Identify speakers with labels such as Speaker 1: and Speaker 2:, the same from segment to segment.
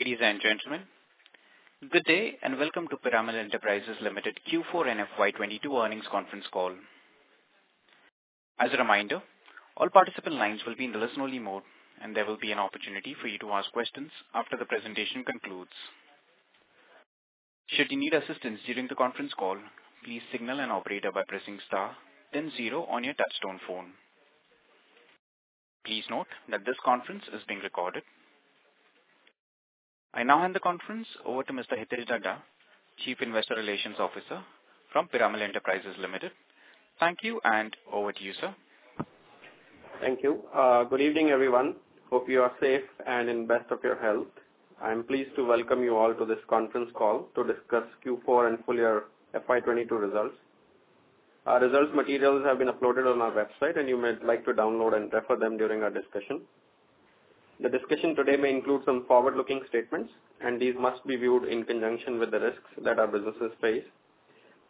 Speaker 1: Ladies and gentlemen, good day and welcome to Piramal Enterprises Limited Q4 and FY 2022 earnings conference call. As a reminder, all participant lines will be in the listen-only mode, and there will be an opportunity for you to ask questions after the presentation concludes. Should you need assistance during the conference call, please signal an operator by pressing star then zero on your touch-tone phone. Please note that this conference is being recorded. I now hand the conference over to Mr. Hitesh Dhaddha, Chief Investor Relations Officer from Piramal Enterprises Limited. Thank you and over to you, sir.
Speaker 2: Thank you. Good evening, everyone. Hope you are safe and in best of your health. I am pleased to welcome you all to this conference call to discuss Q4 and full year FY 2022 results. Our results materials have been uploaded on our website, and you might like to download and refer them during our discussion. The discussion today may include some forward-looking statements, and these must be viewed in conjunction with the risks that our businesses face.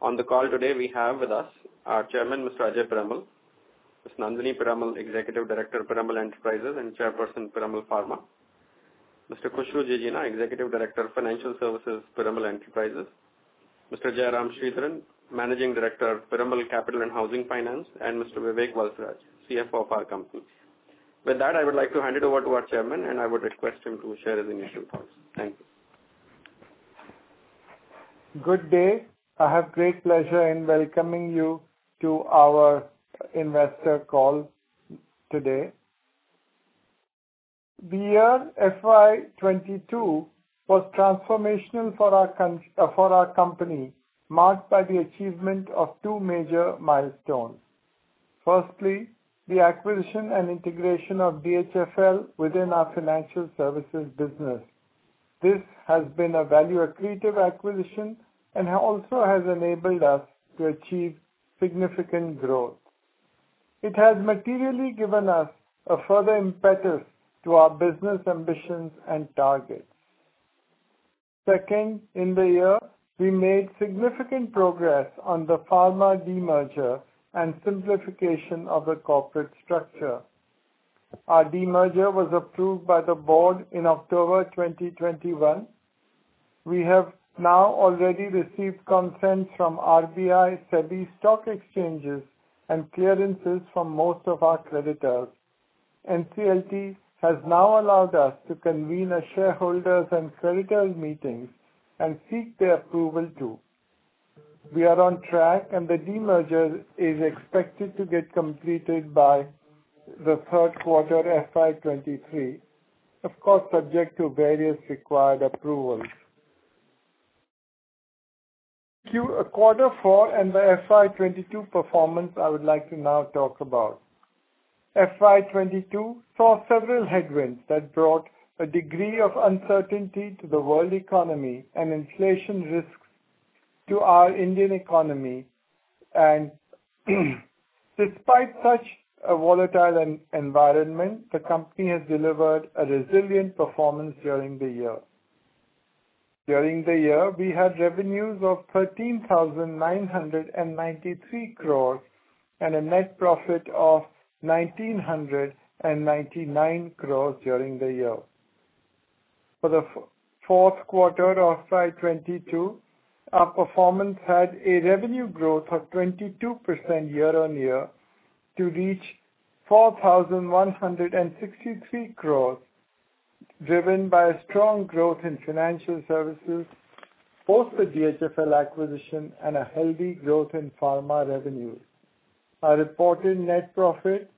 Speaker 2: On the call today, we have with us our Chairman, Mr. Ajay Piramal, Ms. Nandini Piramal, Executive Director of Piramal Enterprises and Chairperson, Piramal Pharma, Mr. Khushru Jijina, Executive Director of Financial Services, Piramal Enterprises, Mr. Jairam Sridharan, Managing Director of Piramal Capital & Housing Finance, and Mr. Vivek Valsaraj, CFO of our company. With that, I would like to hand it over to our chairman, and I would request him to share his initial thoughts. Thank you.
Speaker 3: Good day. I have great pleasure in welcoming you to our investor call today. The year FY 2022 was transformational for our company, marked by the achievement of two major milestones. Firstly, the acquisition and integration of DHFL within our financial services business. This has been a value-accretive acquisition and also has enabled us to achieve significant growth. It has materially given us a further impetus to our business ambitions and targets. Second, in the year, we made significant progress on the Pharma demerger and simplification of the corporate structure. Our demerger was approved by the board in October 2021. We have now already received consent from RBI, SEBI stock exchanges, and clearances from most of our creditors. NCLT has now allowed us to convene our shareholders and creditors' meetings and seek their approval too. We are on track, and the demerger is expected to get completed by the third quarter FY 2023, of course, subject to various required approvals. Quarter four and the FY 2022 performance, I would like to now talk about. FY 2022 saw several headwinds that brought a degree of uncertainty to the world economy and inflation risks to our Indian economy. Despite such a volatile environment, the company has delivered a resilient performance during the year. During the year, we had revenues of 13,993 crore and a net profit of 1,999 crore during the year. For the fourth quarter of FY 2022, our performance had a revenue growth of 22% year-on-year to reach 4,163 crore, driven by a strong growth in financial services, post the DHFL acquisition and a healthy growth in pharma revenues. Our reported net profit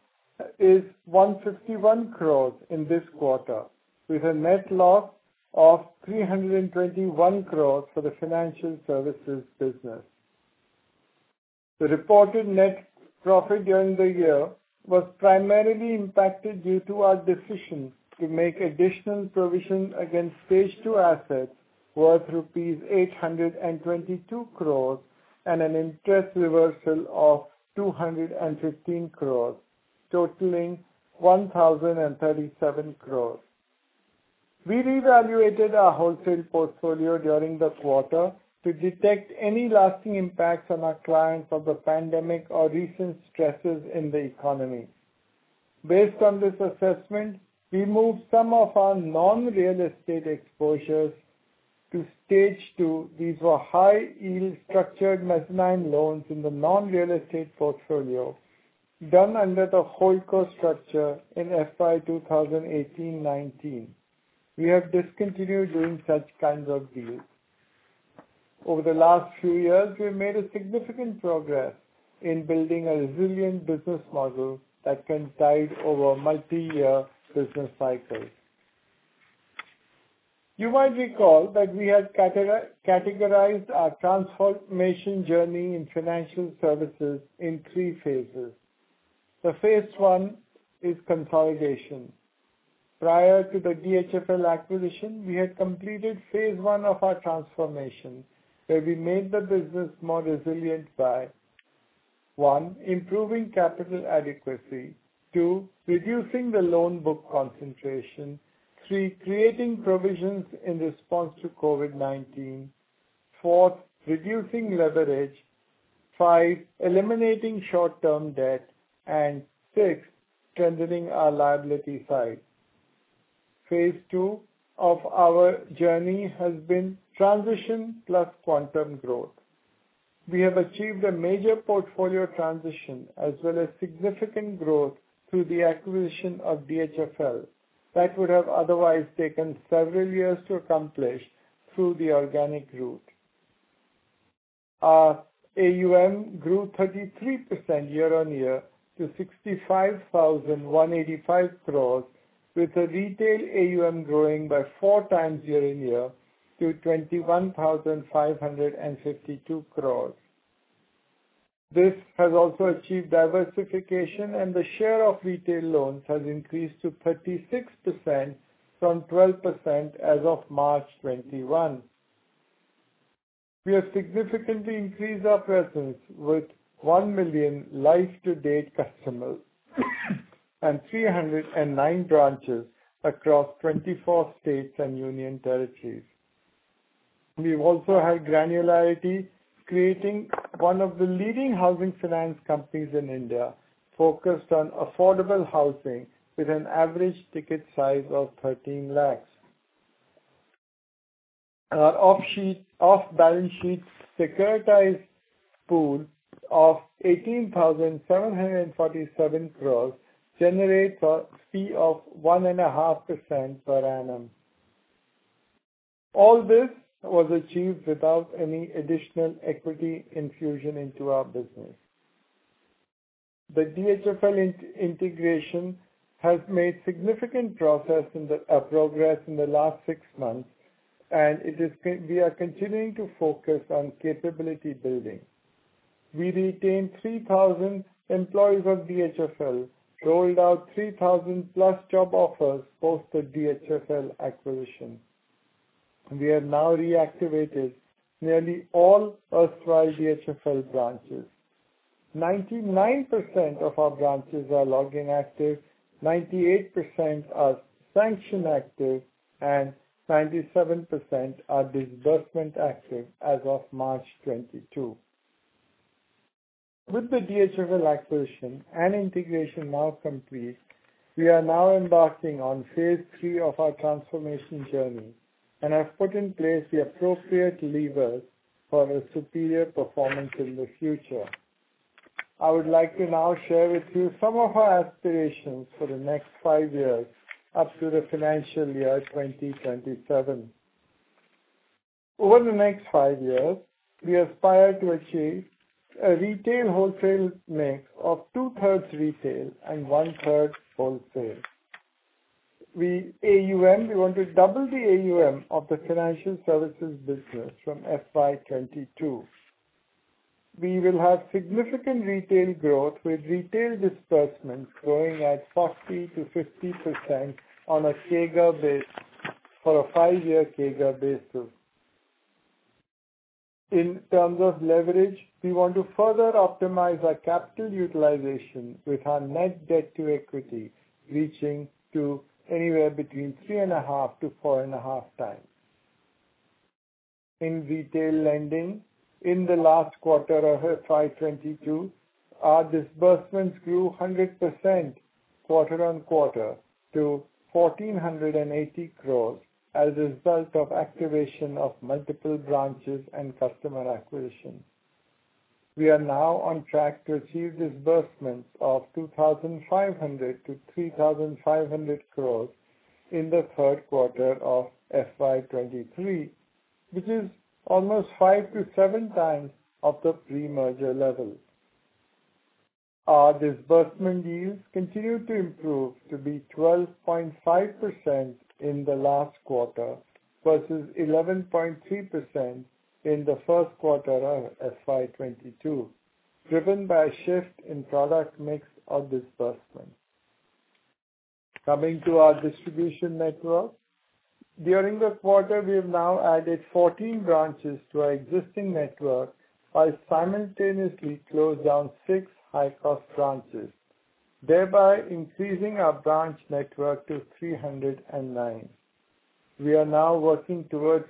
Speaker 3: is 151 crore in this quarter, with a net loss of 321 crore for the financial services business. The reported net profit during the year was primarily impacted due to our decision to make additional provision against stage two assets worth rupees 822 crore and an interest reversal of 215 crore, totaling 1,037 crore. We reevaluated our wholesale portfolio during the quarter to detect any lasting impacts on our clients of the pandemic or recent stresses in the economy. Based on this assessment, we moved some of our non-real estate exposures to stage two. These were high-yield structured mezzanine loans in the non-real estate portfolio done under the HoldCo structure in FY 2018, 2019. We have discontinued doing such kinds of deals. Over the last few years, we have made a significant progress in building a resilient business model that can tide over multi-year business cycles. You might recall that we had categorized our transformation journey in financial services in three phases. Phase I is consolidation. Prior to the DHFL acquisition, we had completed phase I of our transformation, where we made the business more resilient by one, improving capital adequacy. Two, reducing the loan book concentration. Three, creating provisions in response to COVID-19. Four, reducing leverage. Five, eliminating short-term debt. Six, strengthening our liability side. Phase II of our journey has been transition plus quantum growth. We have achieved a major portfolio transition as well as significant growth through the acquisition of DHFL that would have otherwise taken several years to accomplish through the organic route. Our AUM grew 33% year-on-year to 65,185 crores, with the retail AUM growing by 4x year-on-year to 21,552 crores. This has also achieved diversification, and the share of retail loans has increased to 36% from 12% as of March 2021. We have significantly increased our presence with 1 million life-to-date customers and 309 branches across 24 states and union territories. We've also had granularity, creating one of the leading housing finance companies in India focused on affordable housing with an average ticket size of 13 lakhs. Our off-sheet, off-balance sheet securitized pool of 18,747 crores generates a fee of 1.5% per annum. All this was achieved without any additional equity infusion into our business. The DHFL integration has made significant progress in the last six months, and we are continuing to focus on capability building. We retained 3,000 employees of DHFL, rolled out 3,000+ job offers post the DHFL acquisition. We have now reactivated nearly all erstwhile DHFL branches. 99% of our branches are login active, 98% are sanction active, and 97% are disbursement active as of March 2022. With the DHFL acquisition and integration now complete, we are now embarking on phase III of our transformation journey and have put in place the appropriate levers for a superior performance in the future. I would like to now share with you some of our aspirations for the next five years up to the financial year 2027. Over the next five years, we aspire to achieve a retail-wholesale mix of 2/3 retail and 1/3 wholesale. The AUM, we want to double the AUM of the financial services business from FY 2022. We will have significant retail growth, with retail disbursements growing at 40%-50% on a CAGR basis, for a five-year CAGR basis. In terms of leverage, we want to further optimize our capital utilization with our net debt-to-equity reaching to anywhere between 3.5x-4.5x. In retail lending, in the last quarter of FY 2022, our disbursements grew 100% quarter-on-quarter to 1,480 crore as a result of activation of multiple branches and customer acquisition. We are now on track to achieve disbursements of 2,500-3,500 crores in the third quarter of FY 2023, which is almost 5x-7x of the pre-merger level. Our disbursement yields continued to improve to be 12.5% in the last quarter versus 11.3% in the first quarter of FY 2022, driven by a shift in product mix of disbursements. Coming to our distribution network. During the quarter, we have now added 14 branches to our existing network while simultaneously closed down six high-cost branches, thereby increasing our branch network to 309. We are now working towards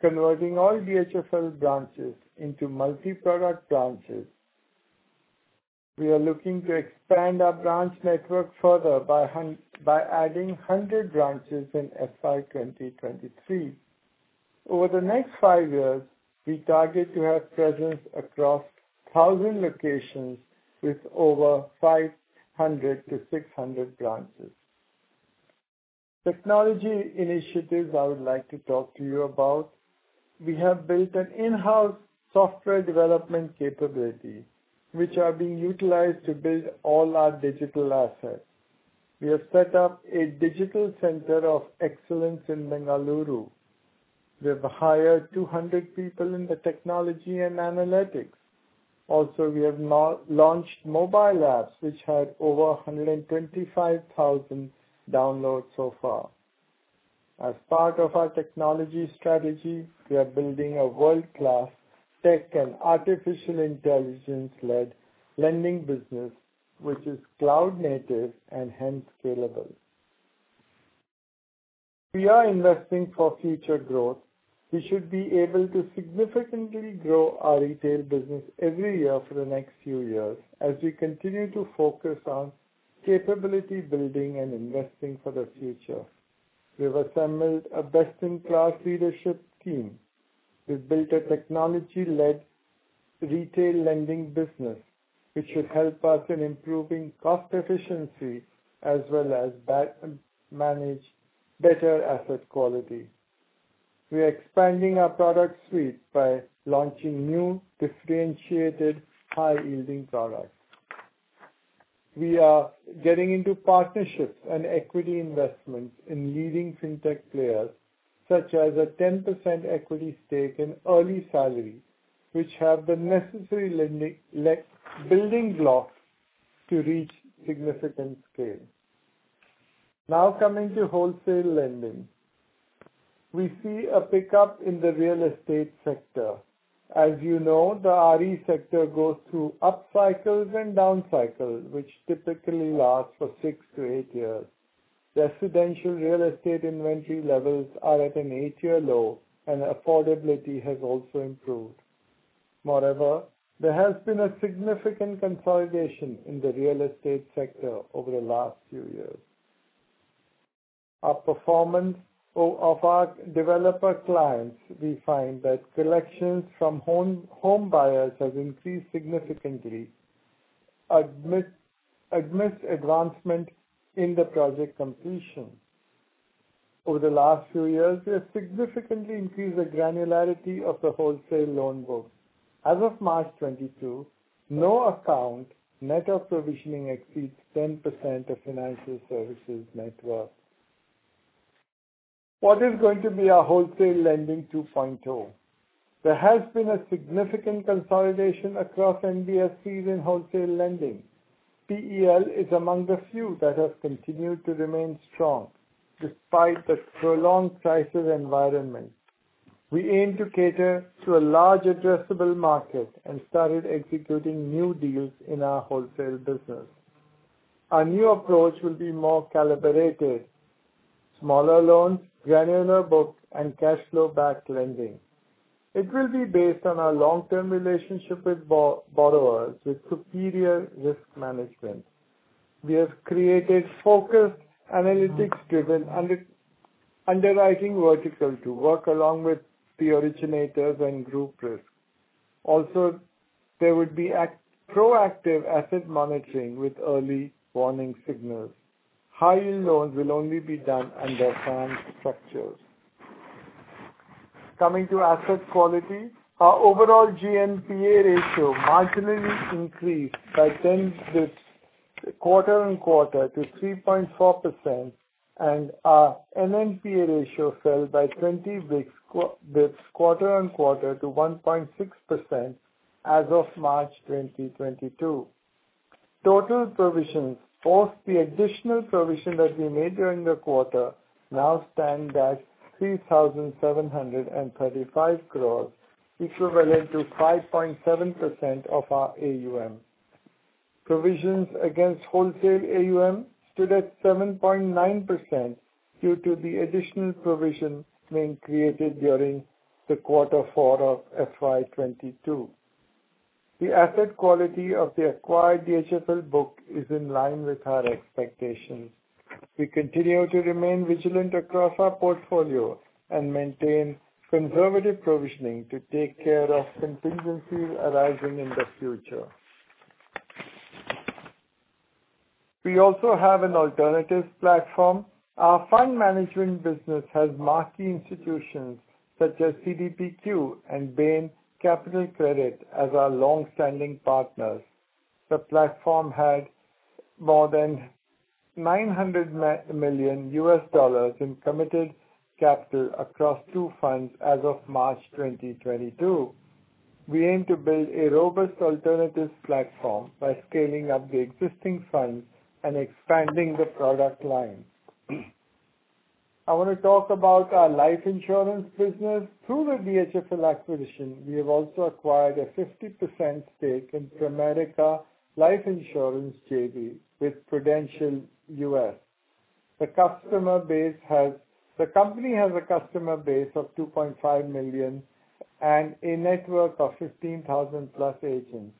Speaker 3: converting all DHFL branches into multi-product branches. We are looking to expand our branch network further by adding 100 branches in FY 2023. Over the next five years, we target to have presence across 1,000 locations with over 500-600 branches. Technology initiatives I would like to talk to you about. We have built an in-house software development capability, which are being utilized to build all our digital assets. We have set up a digital center of excellence in Bengaluru. We have hired 200 people in the technology and analytics. Also, we have launched mobile apps which had over 125,000 downloads so far. As part of our technology strategy, we are building a world-class tech and artificial intelligence-led lending business, which is cloud native and hence scalable. We are investing for future growth. We should be able to significantly grow our retail business every year for the next few years as we continue to focus on capability building and investing for the future. We have assembled a best-in-class leadership team. We've built a technology-led retail lending business, which should help us in improving cost efficiency as well as better manage asset quality. We are expanding our product suite by launching new differentiated high-yielding products. We are getting into partnerships and equity investments in leading fintech players such as a 10% equity stake in EarlySalary, which have the necessary lending building blocks to reach significant scale. Now coming to wholesale lending. We see a pickup in the real estate sector. As you know, the RE sector goes through up cycles and down cycles, which typically last for six to eight years. Residential real estate inventory levels are at an eight-year low, and affordability has also improved. Moreover, there has been a significant consolidation in the real estate sector over the last few years. Our performance of our developer clients, we find that collections from home buyers has increased significantly amidst advancement in the project completion. Over the last few years, we have significantly increased the granularity of the wholesale loan book. As of March 2022, no account net of provisioning exceeds 10% of financial services net worth. What is going to be our wholesale lending 2.0? There has been a significant consolidation across NBFCs in wholesale lending. PEL is among the few that have continued to remain strong despite the prolonged crisis environment. We aim to cater to a large addressable market and started executing new deals in our wholesale business. Our new approach will be more calibrated, smaller loans, granular books, and cash flow-backed lending. It will be based on our long-term relationship with borrowers with superior risk management. We have created focused analytics-driven underwriting vertical to work along with the originators and group risk. There would be proactive asset monitoring with early warning signals. High-yield loans will only be done under tranche structures. Coming to asset quality. Our overall GNPA ratio marginally increased by 10 basis points quarter-on-quarter to 3.4%, and our NNPA ratio fell by 20 basis points quarter-on-quarter to 1.6% as of March 2022. Total provisions post the additional provision that we made during the quarter now stand at 3,735 crores, equivalent to 5.7% of our AUM. Provisions against wholesale AUM stood at 7.9% due to the additional provision being created during quarter four of FY 2022. The asset quality of the acquired DHFL book is in line with our expectations. We continue to remain vigilant across our portfolio and maintain conservative provisioning to take care of contingencies arising in the future. We also have an alternatives platform. Our fund management business has marquee institutions such as CDPQ and Bain Capital Credit as our long-standing partners. The platform had more than $900 million in committed capital across two funds as of March 2022. We aim to build a robust alternatives platform by scaling up the existing funds and expanding the product line. I want to talk about our life insurance business. Through the DHFL acquisition, we have also acquired a 50% stake in Pramerica Life Insurance JV with Prudential US. The company has a customer base of 2.5 million and a network of 15,000+ agents.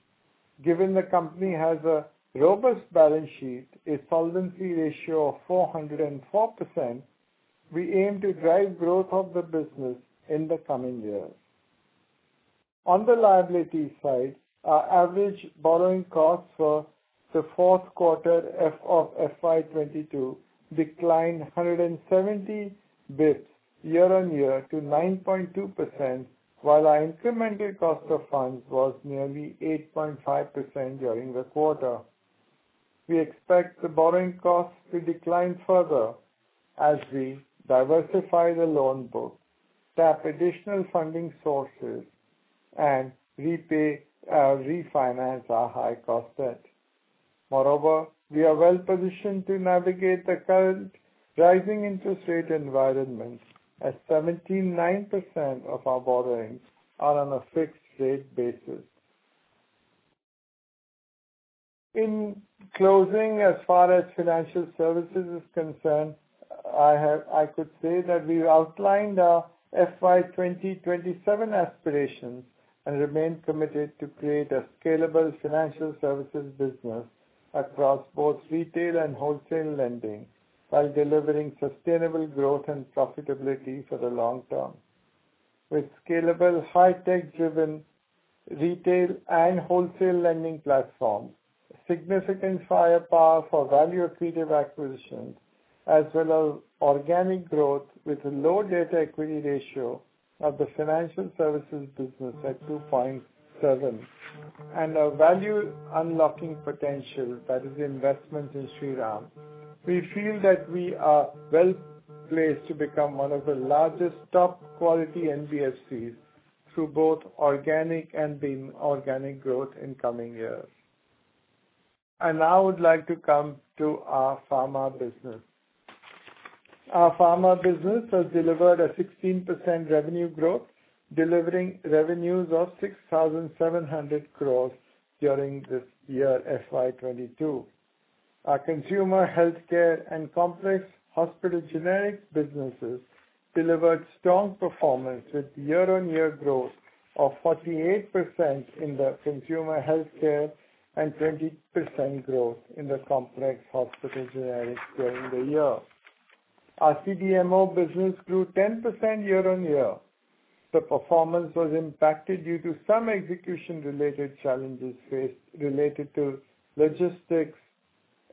Speaker 3: Given the company has a robust balance sheet, a solvency ratio of 404%, we aim to drive growth of the business in the coming years. On the liability side, our average borrowing costs for the fourth quarter of FY 2022 declined 170 basis points year-on-year to 9.2%, while our incremental cost of funds was nearly 8.5% during the quarter. We expect the borrowing costs to decline further as we diversify the loan book, tap additional funding sources and repay or refinance our high costs there. Moreover, we are well-positioned to navigate the current rising interest rate environments as 79% of our borrowings are on a fixed rate basis. In closing, as far as financial services is concerned, I could say that we outlined our FY 2027 aspirations and remain committed to create a scalable financial services business across both retail and wholesale lending, while delivering sustainable growth and profitability for the long term. With scalable high-tech driven retail and wholesale lending platform, significant firepower for value accretive acquisitions, as well as organic growth with a low debt-to-equity ratio of the financial services business at 2.7, and a value unlocking potential that is investment in Shriram. We feel that we are well placed to become one of the largest top quality NBFCs through both organic and inorganic growth in coming years. I now would like to come to our pharma business. Our pharma business has delivered a 16% revenue growth, delivering revenues of 6,700 crores during this year, FY 2022. Our consumer healthcare and complex hospital generic businesses delivered strong performance with year-on-year growth of 48% in the consumer healthcare and 20% growth in the complex hospital generics during the year. Our CDMO business grew 10% year-on-year. The performance was impacted due to some execution related challenges faced related to logistics,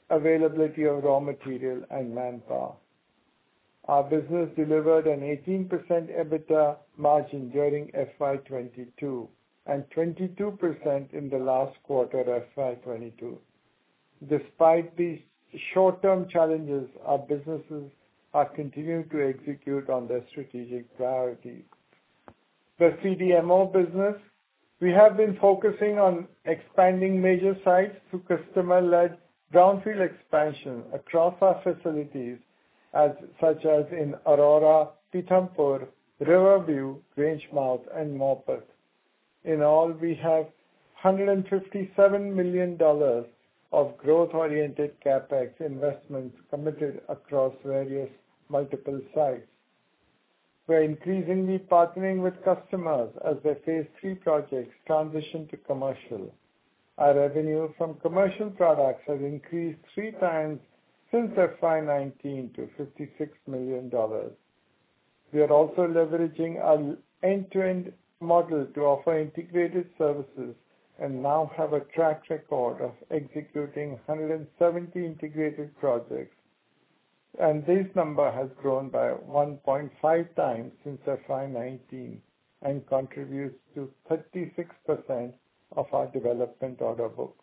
Speaker 3: availability of raw material and manpower. Our business delivered an 18% EBITDA margin during FY 2022 and 22% in the last quarter of FY 2022. Despite these short term challenges, our businesses are continuing to execute on their strategic priorities. The CDMO business, we have been focusing on expanding major sites through customer-led brownfield expansion across our facilities such as in Aurora, Pithampur, Riverview, Grangemouth, and Morpeth. In all, we have $157 million of growth-oriented CapEx investments committed across various multiple sites. We're increasingly partnering with customers as their phase III projects transition to commercial. Our revenue from commercial products has increased 3x since FY 2019 to $56 million. We are also leveraging our end-to-end model to offer integrated services and now have a track record of executing 170 integrated projects. This number has grown by 1.5x since FY 2019 and contributes to 36% of our development order book.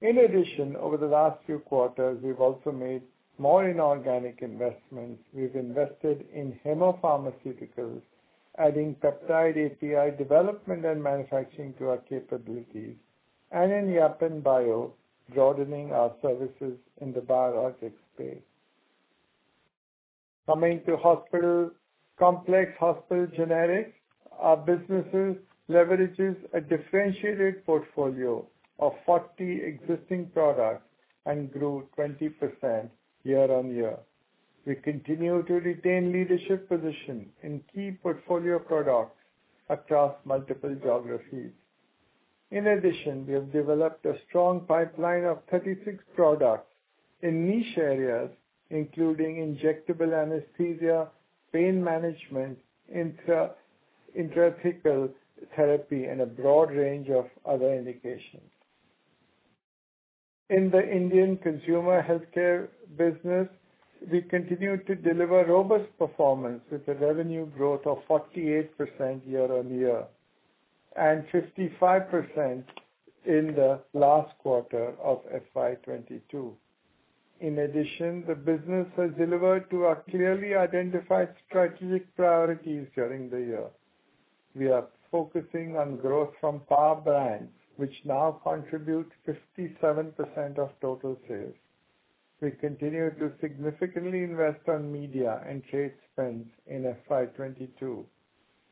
Speaker 3: In addition, over the last few quarters, we've also made more inorganic investments. We've invested in Hemmo Pharmaceuticals, adding peptide API development and manufacturing to our capabilities, and in Yapan Bio, broadening our services in the biologics space. Coming to hospital, complex hospital generics. Our businesses leverages a differentiated portfolio of 40 existing products and grew 20% year-over-year. We continue to retain leadership position in key portfolio products across multiple geographies. In addition, we have developed a strong pipeline of 36 products in niche areas, including injectable anesthesia, pain management, intra, intrathecal therapy and a broad range of other indications. In the Indian consumer healthcare business, we continue to deliver robust performance with a revenue growth of 48% year-over-year and 55% in the last quarter of FY 2022. In addition, the business has delivered to our clearly identified strategic priorities during the year. We are focusing on growth from power brands, which now contribute 57% of total sales. We continue to significantly invest on media and trade spends in FY 2022.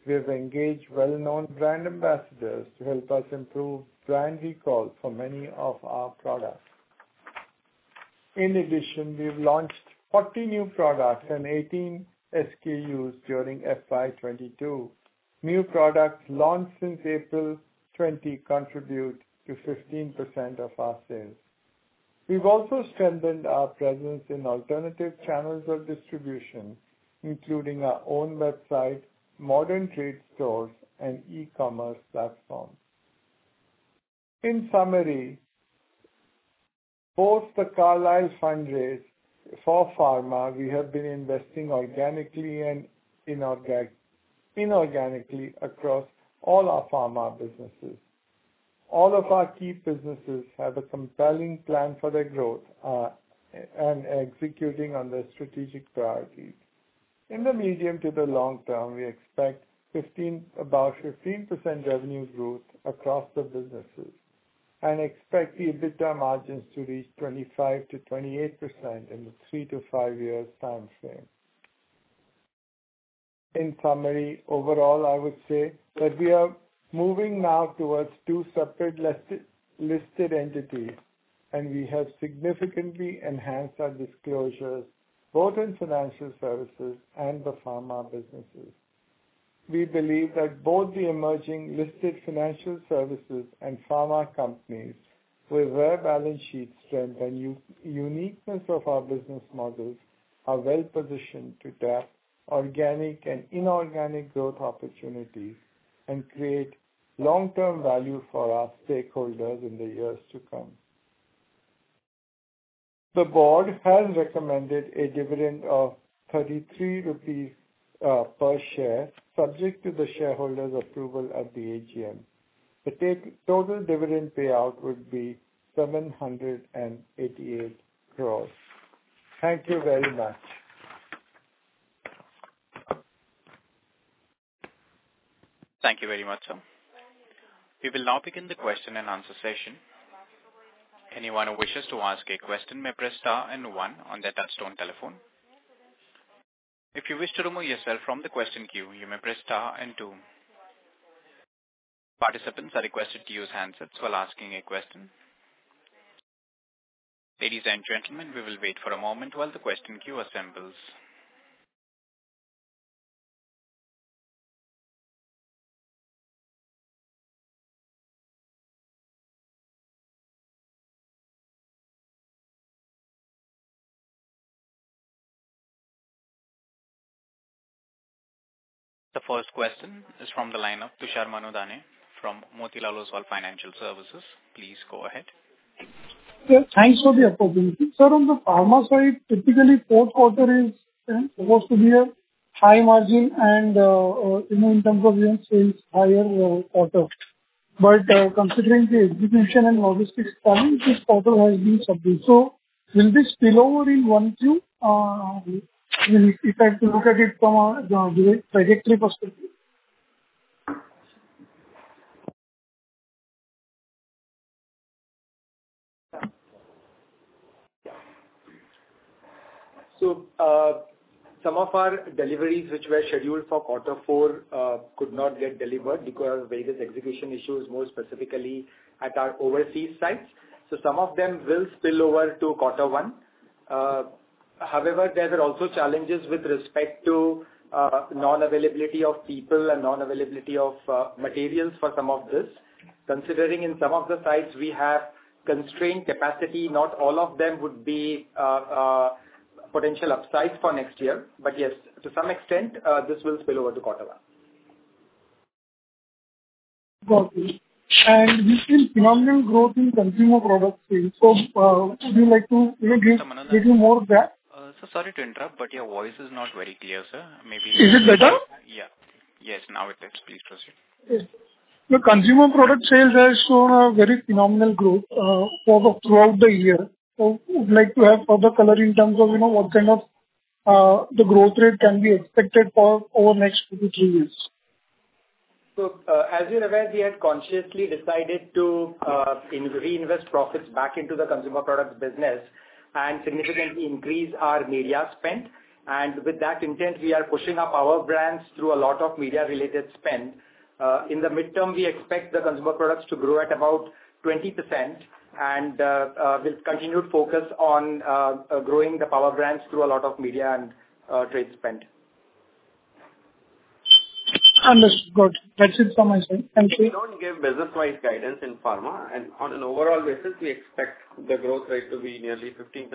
Speaker 3: We have engaged well-known brand ambassadors to help us improve brand recall for many of our products. In addition, we've launched 40 new products and 18 SKUs during FY 2022. New products launched since April 2020 contribute to 15% of our sales. We've also strengthened our presence in alternative channels of distribution, including our own website, modern trade stores and e-commerce platforms. In summary, both the Carlyle fundraise for pharma, we have been investing organically and inorganically across all our pharma businesses. All of our key businesses have a compelling plan for their growth, and are executing on their strategic priorities. In the medium to the long term, we expect about 15% revenue growth across the businesses and expect the EBITDA margins to reach 25%-28% in the three to five years time frame. In summary, overall, I would say that we are moving now towards two separate listed entities, and we have significantly enhanced our disclosures both in financial services and the pharma businesses. We believe that both the emerging listed financial services and pharma companies with their balance sheet strength and uniqueness of our business models are well-positioned to tap organic and inorganic growth opportunities and create long-term value for our stakeholders in the years to come. The board has recommended a dividend of 33 rupees per share, subject to the shareholders' approval at the AGM. The total dividend payout would be 788 crores. Thank you very much.
Speaker 1: Thank you very much, sir. We will now begin the question-and-answer session. Anyone who wishes to ask a question may press star and one on their touchtone telephone. If you wish to remove yourself from the question queue, you may press star and two. Participants are requested to use handsets while asking a question. Ladies and gentlemen, we will wait for a moment while the question queue assembles. The first question is from the line of Tushar Manudhane from Motilal Oswal Financial Services. Please go ahead.
Speaker 4: Yeah, thanks for the opportunity. Sir, on the pharma side, typically fourth quarter is supposed to be a high margin and, you know, in terms of unit sales, higher quarter. Considering the execution and logistics challenge, this quarter has been subdued. Will this spill over in Q1, if we, if I have to look at it from a directional trajectory perspective?
Speaker 5: Some of our deliveries which were scheduled for quarter four could not get delivered because of various execution issues, more specifically at our overseas sites. Some of them will spill over to quarter one. However, there are also challenges with respect to non-availability of people and non-availability of materials for some of this. Considering in some of the sites we have constrained capacity, not all of them would be potential upsides for next year. Yes, to some extent, this will spill over to quarter one.
Speaker 4: Got it. We've seen phenomenal growth in consumer product sales. Would you like to, you know, give-
Speaker 1: Tushar Manudhane.
Speaker 4: Little more of that.
Speaker 1: Sir, sorry to interrupt, but your voice is not very clear, sir.
Speaker 4: Is it better?
Speaker 1: Yeah. Yes, now it is. Please proceed.
Speaker 4: Okay. The consumer product sales has shown a very phenomenal growth throughout the year. Would like to have further color in terms of, you know, what kind of the growth rate can be expected for over next two to three years.
Speaker 5: As you're aware, we had consciously decided to reinvest profits back into the consumer products business and significantly increase our media spend. With that intent, we are pushing up our brands through a lot of media-related spend. In the midterm, we expect the consumer products to grow at about 20% and with continued focus on growing the power brands through a lot of media and trade spend.
Speaker 4: Understood. That's it from my side. Thank you.
Speaker 2: We don't give business-wide guidance in pharma and on an overall basis, we expect the growth rate to be nearly 15%,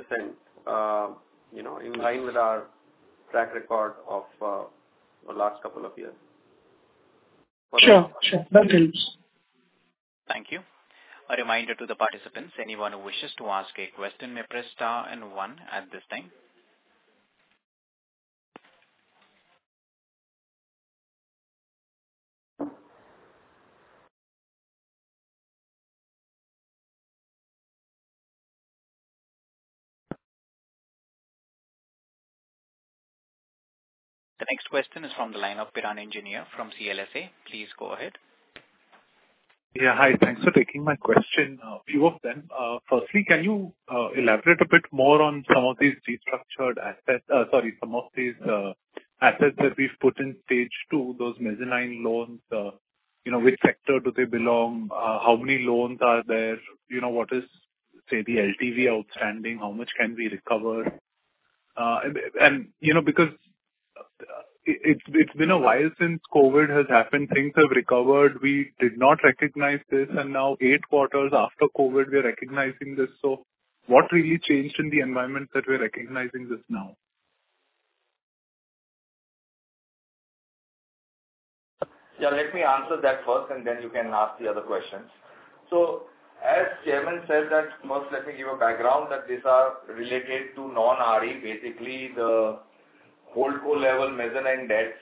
Speaker 2: you know, in line with our track record of the last couple of years.
Speaker 4: Sure. That helps.
Speaker 1: Thank you. A reminder to the participants, anyone who wishes to ask a question, may press star and one at this time. The next question is from the line of Piran Engineer from CLSA. Please go ahead.
Speaker 6: Yeah. Hi. Thanks for taking my question. Few of them. Firstly, can you elaborate a bit more on some of these restructured assets? Sorry, some of these assets that we've put in stage two, those mezzanine loans, you know, which sector do they belong? How many loans are there? You know, what is, say, the LTV outstanding? How much can we recover? And, you know, because it's been a while since COVID has happened. Things have recovered. We did not recognize this. And now eight quarters after COVID we're recognizing this. What really changed in the environment that we're recognizing this now?
Speaker 7: Yeah, let me answer that first, and then you can ask the other questions. As chairman said that. First, let me give a background that these are related to non-RE, basically the HoldCo level mezzanine debts,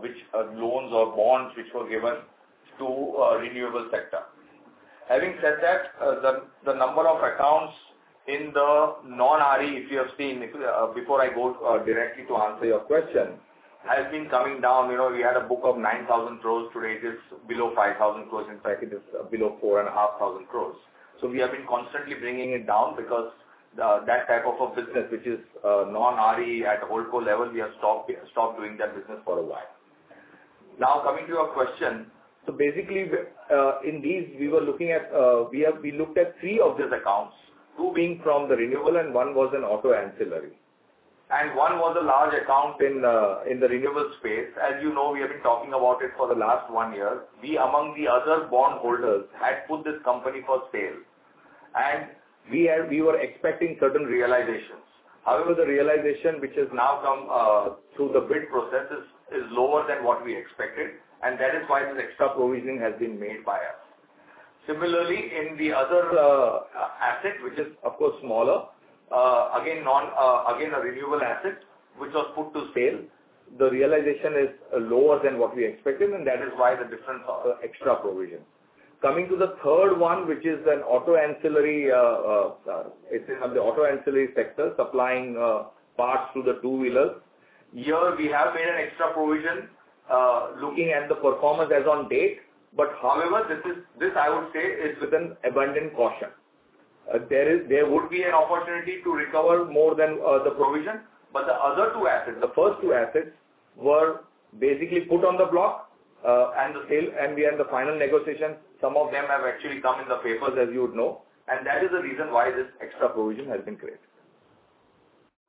Speaker 7: which are loans or bonds which were given to renewable sector. Having said that, the number of accounts in the non-RE, if you have seen, before I go directly to answer your question, has been coming down. You know, we had a book of 9,000 crores. Today it is below 5,000 crores. In fact, it is below 4,500 crores. We have been constantly bringing it down because the, that type of a business which is non-RE at HoldCo level, we have stopped doing that business for a while. Now coming to your question. Basically, we were looking at three of these accounts, two being from the renewable and one was an auto ancillary. One was a large account in the renewable space. As you know, we have been talking about it for the last one year. We, among the other bondholders, had put this company for sale, and we were expecting certain realizations. However, the realization which has now come through the bid process is lower than what we expected, and that is why this extra provisioning has been made by us. Similarly, in the other asset, which is of course smaller, again, a renewable asset which was put to sale. The realization is lower than what we expected, and that is why the different extra provisions. Coming to the third one, which is an auto ancillary, it is on the auto ancillary sector supplying parts to the two-wheeler. Here we have made an extra provision looking at the performance as on date. However, this is, I would say, with an abundant caution. There would be an opportunity to recover more than the provision. The other two assets, the first two assets were basically put on the block and the sale, and we are in the final negotiations. Some of them have actually come in the papers, as you would know, and that is the reason why this extra provision has been created.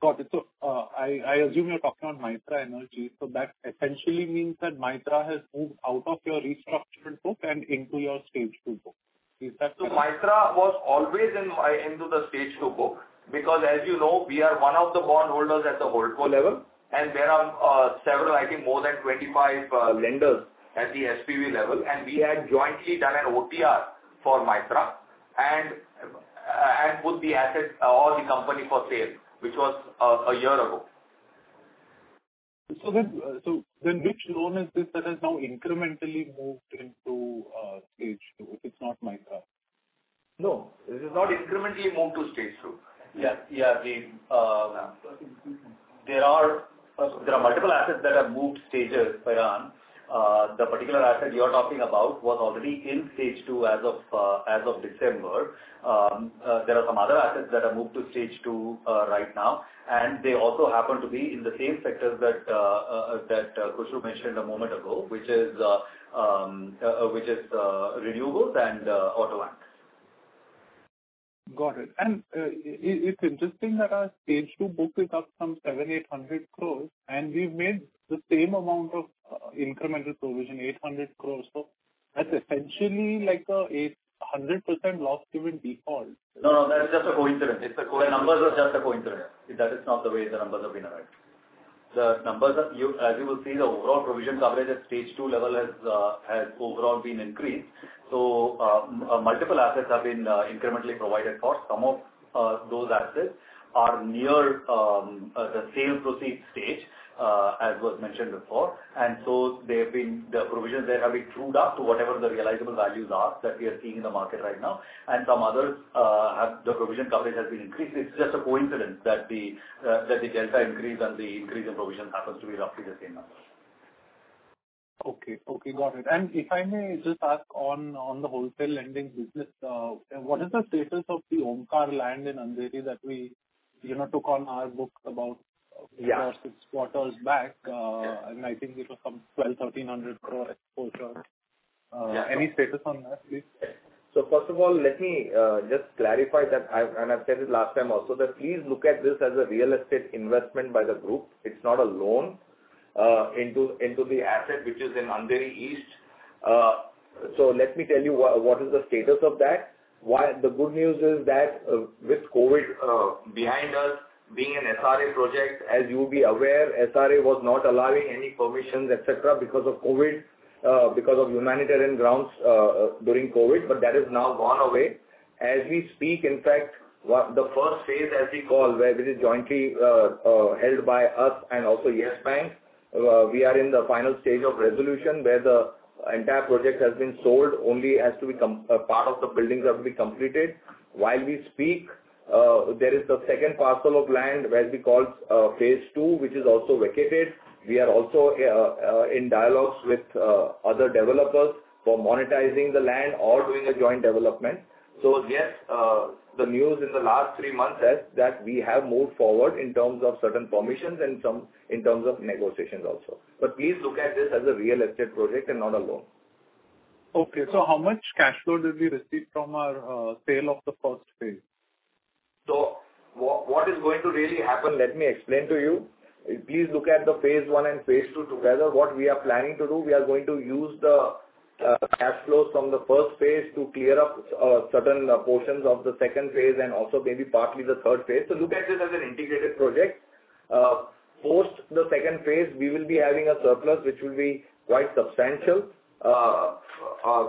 Speaker 6: Got it. I assume you're talking on Mytrah Energy. That essentially means that Mytrah has moved out of your restructured book and into your stage two book. Is that so?
Speaker 7: Mytrah was always into the stage two book because as you know, we are one of the bondholders at the HoldCo level and there are several, I think more than 25, lenders at the SPV level. We had jointly done an OPR for Mytrah and put the assets or the company for sale, which was a year ago.
Speaker 6: Which loan is this that has now incrementally moved into stage two if it's not Mytrah?
Speaker 7: No, it is not incrementally moved to stage two.
Speaker 8: Yeah. There are multiple assets that have moved stages, Jairam. The particular asset you are talking about was already in stage two as of December. There are some other assets that have moved to stage two right now, and they also happen to be in the same sectors that Khushru mentioned a moment ago, which is renewables and auto ancillary.
Speaker 6: Got it. It's interesting that our stage two book is up some 700 crore-800 crore and we've made the same amount of incremental provision, 800 crore. That's essentially like an 800% loss given default.
Speaker 8: No, no, that is just a coincidence.
Speaker 6: It's a coincidence.
Speaker 8: The numbers are just a coincidence. That is not the way the numbers have been arrived. The numbers are as you will see, the overall provision coverage at stage two level has overall been increased. Multiple assets have been incrementally provided for. Some of those assets are near the sales proceeds stage as was mentioned before. The provisions there have been trued up to whatever the realizable values are that we are seeing in the market right now. Some others, the provision coverage has been increased. It's just a coincidence that the delta increase and the increase in provision happens to be roughly the same number.
Speaker 6: Okay. Okay, got it. If I may just ask on the wholesale lending business, what is the status of the Omkar land in Andheri that we, you know, took on our books about.
Speaker 8: Yeah.
Speaker 6: Four or six quarters back?
Speaker 8: Yeah.
Speaker 6: I think it was some 1,200-1,300 crore exposure.
Speaker 8: Yeah.
Speaker 6: Any status on that, please?
Speaker 7: First of all, let me just clarify that I've said it last time also, that please look at this as a real estate investment by the group. It's not a loan into the asset which is in Andheri East. Let me tell you what is the status of that. The good news is that, with COVID behind us being an SRA project, as you'll be aware, SRA was not allowing any permissions, etc, because of COVID, because of humanitarian grounds, during COVID. That has now gone away. As we speak, in fact, what the first phase, as we call, where this is jointly held by us and also Yes Bank, we are in the final stage of resolution where the entire project has been sold only as to become part of the buildings that will be completed. While we speak, there is the second parcel of land, where we call phase II, which is also vacated. We are also in dialogues with other developers for monetizing the land or doing a joint development. Yes, the news in the last three months is that we have moved forward in terms of certain permissions and some in terms of negotiations also. Please look at this as a real estate project and not a loan.
Speaker 6: Okay. How much cash flow did we receive from our sale of the first phase?
Speaker 7: What is going to really happen, let me explain to you. Please look at the phase I and phase II together. What we are planning to do, we are going to use the cash flows from the first phase to clear up certain portions of the second phase and also maybe partly the third phase. Look at this as an integrated project. Post the second phase, we will be having a surplus, which will be quite substantial,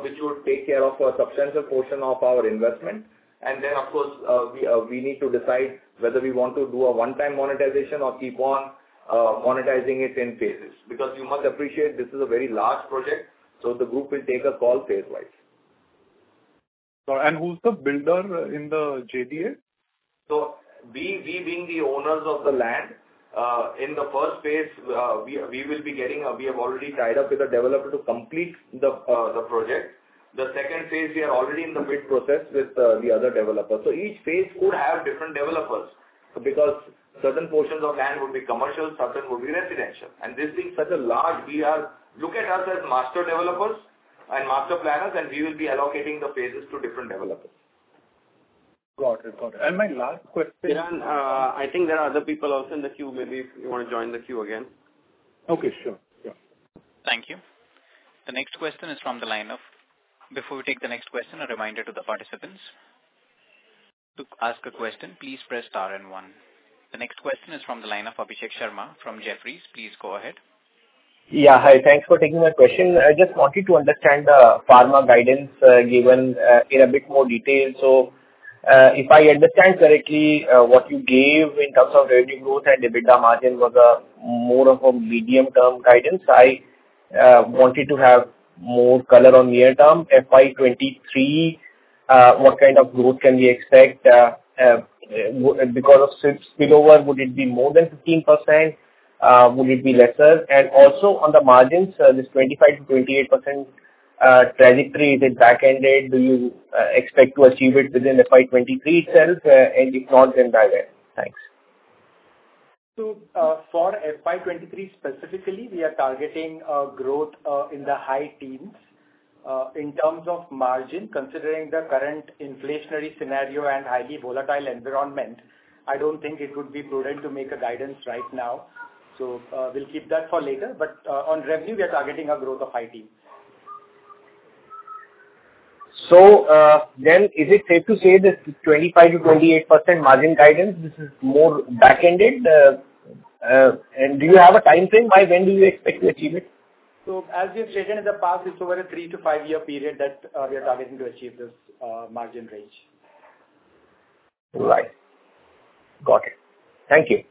Speaker 7: which would take care of a substantial portion of our investment. Then of course, we need to decide whether we want to do a one-time monetization or keep on monetizing it in phases. Because you must appreciate this is a very large project, so the group will take a call phase-wise.
Speaker 6: Who's the builder in the JDA?
Speaker 7: We being the owners of the land, in the first phase, we have already tied up with a developer to complete the project. The second phase we are already in the bid process with the other developers. Each phase could have different developers. Because certain portions of land will be commercial, certain will be residential. This being such a large VR, look at us as master developers and master planners, and we will be allocating the phases to different developers.
Speaker 6: Got it. My last question-
Speaker 7: Yeah. I think there are other people also in the queue. Maybe if you wanna join the queue again.
Speaker 6: Okay. Sure. Yeah.
Speaker 1: Thank you. The next question is from the line of. Before we take the next question, a reminder to the participants, to ask a question, please press star and one. The next question is from the line of Abhishek Sharma from Jefferies. Please go ahead.
Speaker 9: Yeah. Hi. Thanks for taking my question. I just wanted to understand the pharma guidance, given, in a bit more detail. If I understand correctly, what you gave in terms of revenue growth and EBITDA margin was more of a medium-term guidance. I wanted to have more color on near term. FY 2023, what kind of growth can we expect because of spillover, would it be more than 15%? Would it be lesser? Also, on the margins, this 25%-28% trajectory, is it back-ended? Do you expect to achieve it within FY 2023 itself? If not, then by when? Thanks.
Speaker 5: For FY 2023 specifically, we are targeting growth in the high teens. In terms of margin, considering the current inflationary scenario and highly volatile environment, I don't think it would be prudent to make a guidance right now. We'll keep that for later. But on revenue, we are targeting a growth of high teens.
Speaker 9: Is it safe to say that 25%-28% margin guidance, this is more back-ended? Do you have a timeframe by when do you expect to achieve it?
Speaker 5: As we have stated in the past, it's over a three to five-year period that we are targeting to achieve this margin range.
Speaker 9: Right. Got it. Thank you.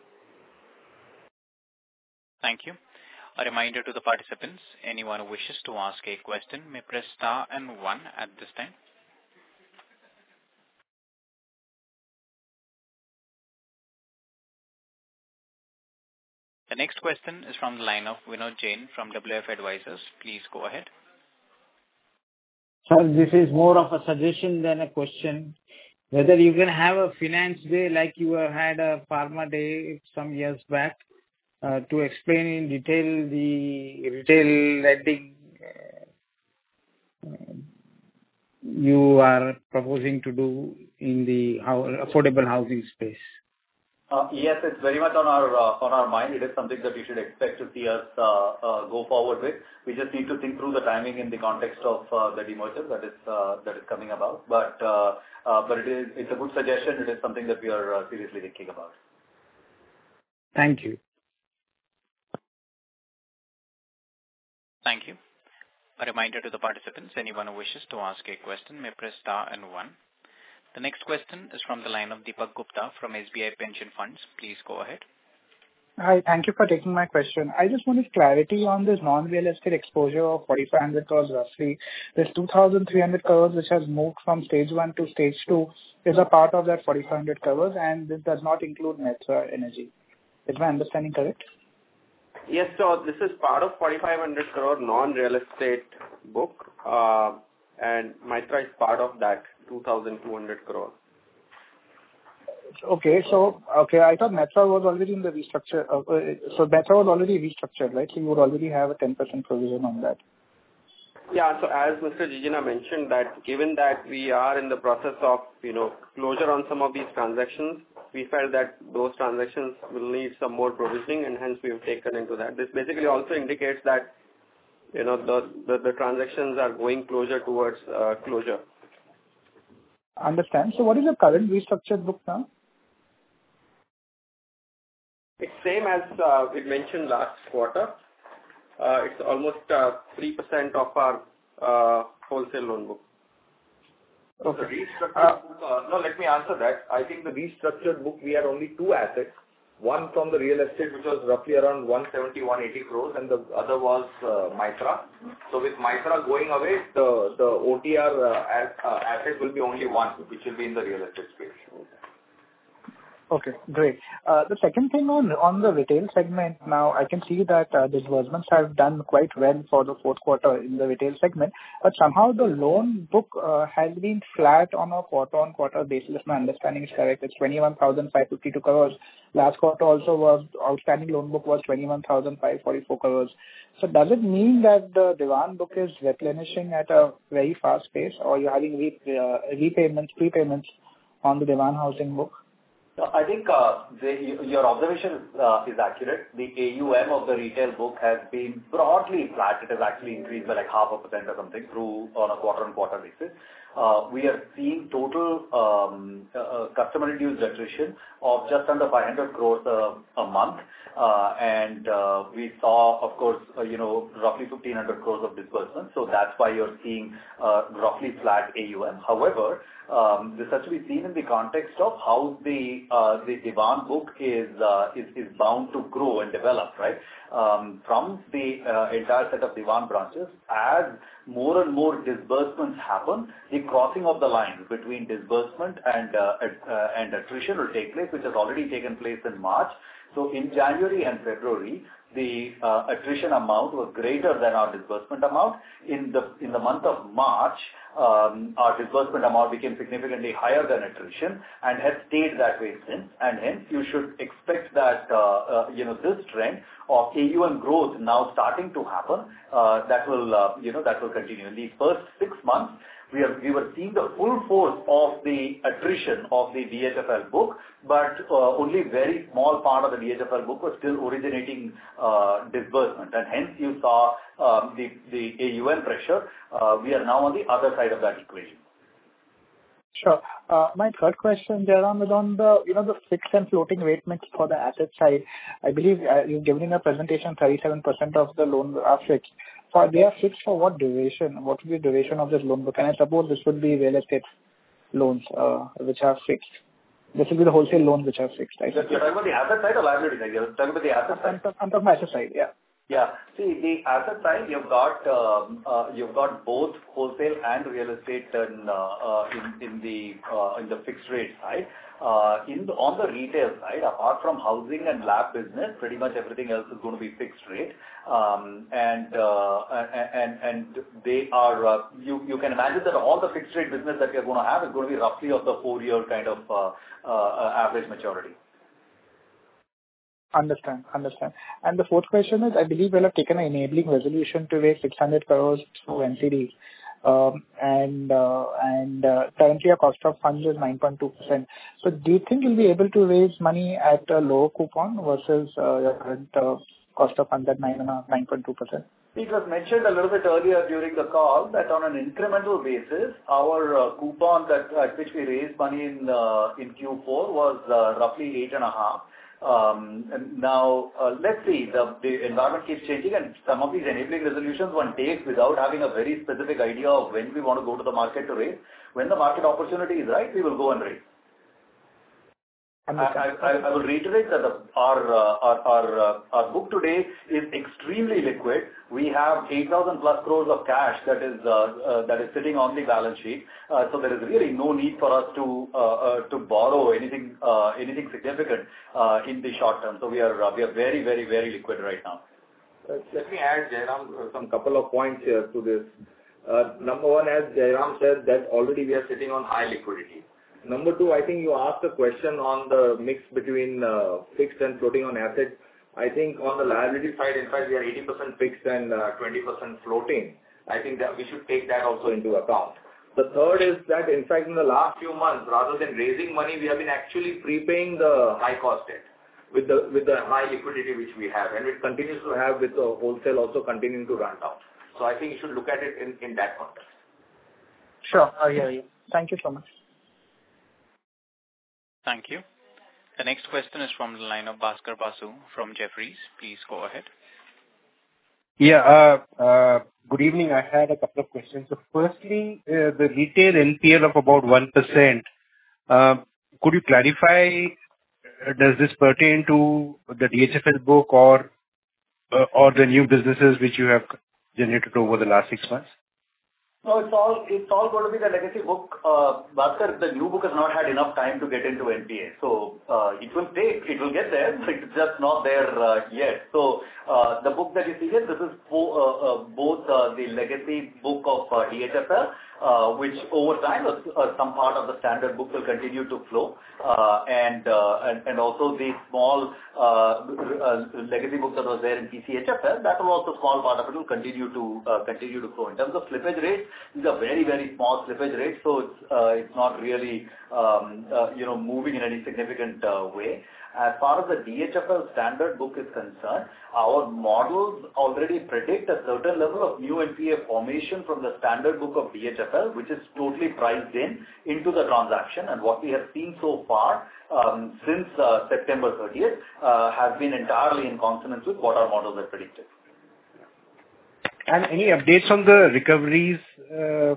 Speaker 1: Thank you. A reminder to the participants, anyone who wishes to ask a question may press star and one at this time. The next question is from the line of Vinod Jain from WF Advisors. Please go ahead.
Speaker 10: Sir, this is more of a suggestion than a question. Whether you can have a finance day like you had a pharma day some years back, to explain in detail the retail lending you are proposing to do in the affordable housing space.
Speaker 8: Yes, it's very much on our mind. It is something that you should expect to see us go forward with. We just need to think through the timing in the context of the demerger that is coming about. It is, it's a good suggestion. It is something that we are seriously thinking about.
Speaker 10: Thank you.
Speaker 1: Thank you. A reminder to the participants, anyone who wishes to ask a question may press star and one. The next question is from the line of Deepak Gupta from SBI Pension Funds. Please go ahead.
Speaker 11: Hi. Thank you for taking my question. I just wanted clarity on this non-real estate exposure of 4,500 crore roughly. This 2,300 crore which has moved from stage one to stage two is a part of that 4,500 crore, and this does not include Mytrah Energy. Is my understanding correct?
Speaker 2: This is part of 4,500 crore non-real estate book. Mytrah is part of that 2,200 crore.
Speaker 11: I thought Mytrah was already in the restructure. Mytrah was already restructured, right? You would already have a 10% provision on that.
Speaker 2: Yeah. As Mr. Jijina mentioned that given that we are in the process of, you know, closure on some of these transactions, we felt that those transactions will need some more provisioning, and hence we have taken into that. This basically also indicates that, you know, the transactions are going closer towards closure.
Speaker 11: Understood. What is your current restructured book now?
Speaker 2: It's same as we mentioned last quarter. It's almost 3% of our wholesale loan book.
Speaker 11: Okay.
Speaker 7: The restructured book, I think the restructured book, we have only two assets. One from the real estate, which was roughly around 170-180 crores, and the other was Mytrah. With Mytrah going away, the OTR asset will be only one, which will be in the real estate space.
Speaker 11: Okay, great. The second thing on the retail segment now, I can see that disbursements have done quite well for the fourth quarter in the retail segment. Somehow the loan book has been flat on a quarter-on-quarter basis, if my understanding is correct. It's 21,552 crores. Last quarter also was outstanding loan book was 21,544 crores. Does it mean that the demand book is replenishing at a very fast pace or you're having repayments, prepayments on the demand housing book?
Speaker 8: I think, your observation is accurate. The AUM of the retail book has been broadly flat. It has actually increased by like half a percent or something through on a quarter-over-quarter basis. We are seeing total customer reduced attrition of just under 500 crores a month. We saw, of course, you know, roughly 1,500 crores of disbursement. That's why you're seeing roughly flat AUM. However, this has to be seen in the context of how the Dewan book is bound to grow and develop, right? From the entire set of Dewan branches. As more and more disbursements happen, the crossing of the line between disbursement and attrition will take place, which has already taken place in March. In January and February, the attrition amount was greater than our disbursement amount. In the month of March, our disbursement amount became significantly higher than attrition and has stayed that way since. You should expect that, you know, this trend of AUM growth now starting to happen, that will continue. In the first six months, we were seeing the full force of the attrition of the DHFL book, but only a very small part of the DHFL book was still originating disbursement. You saw the AUM pressure. We are now on the other side of that equation.
Speaker 11: Sure. My third question, Jairam, is on the, you know, the fixed and floating rate mix for the asset side. I believe, you've given in a presentation 37% of the loans are fixed. They are fixed for what duration? What will be the duration of this loan book? I suppose this would be real estate loans, which are fixed. This will be the wholesale loans which are fixed, I guess.
Speaker 8: You're talking about the asset side or liability side? You're talking about the asset side.
Speaker 11: On the asset side, yeah.
Speaker 8: See, the asset side, you've got both wholesale and real estate in the fixed rate side. On the retail side, apart from housing and LAP business, pretty much everything else is gonna be fixed rate. You can imagine that all the fixed rate business that we're gonna have is gonna be roughly of the four-year kind of average maturity.
Speaker 11: Understand. The fourth question is, I believe you will have taken an enabling resolution to raise 600 crore through NCD. Currently your cost of funds is 9.2%. Do you think you'll be able to raise money at a lower coupon versus the current cost of funds at 9.2%?
Speaker 8: It was mentioned a little bit earlier during the call that on an incremental basis, our coupon at which we raised money in Q4 was roughly 8.5%. Now, let's see. The environment keeps changing, and some of these enabling resolutions one takes without having a very specific idea of when we wanna go to the market to raise. When the market opportunity is right, we will go and raise.
Speaker 11: Understood.
Speaker 8: I will reiterate that our book today is extremely liquid. We have 8,000+ crore of cash that is sitting on the balance sheet. There is really no need for us to borrow anything significant in the short term. We are very liquid right now.
Speaker 7: Let me add, Jairam, some couple of points here to this. Number one, as Jairam said, that already we are sitting on high liquidity. Number two, I think you asked a question on the mix between fixed and floating on assets. I think on the liability side, in fact, we are 80% fixed and 20% floating. I think that we should take that also into account. The third is that, in fact, in the last few months, rather than raising money, we have been actually prepaying the high cost debt with the high liquidity which we have, and it continues to have with the wholesale also continuing to run down. I think you should look at it in that context.
Speaker 11: Sure. I hear you. Thank you so much.
Speaker 1: Thank you. The next question is from the line of Bhaskar Basu from Jefferies. Please go ahead.
Speaker 12: Yeah. Good evening. I had a couple of questions. Firstly, the retail NPL of about 1%, could you clarify, does this pertain to the DHFL book or the new businesses which you have generated over the last six months?
Speaker 8: No, it's all gonna be the legacy book. Bhaskar, the new book has not had enough time to get into NPA. It will take. It will get there, but it's just not there yet. The book that you see here, this is both the legacy book of DHFL, which over time, some part of the standard book will continue to flow. And also the small legacy book that was there in PCHFL, that was also small part of it will continue to grow. In terms of slippage rates, these are very, very small slippage rates, so it's not really, you know, moving in any significant way. As far as the DHFL standard book is concerned, our models already predict a certain level of new NPA formation from the standard book of DHFL, which is totally priced into the transaction. What we have seen so far, since September thirtieth, has been entirely in consonance with what our models have predicted.
Speaker 12: Any updates on the recoveries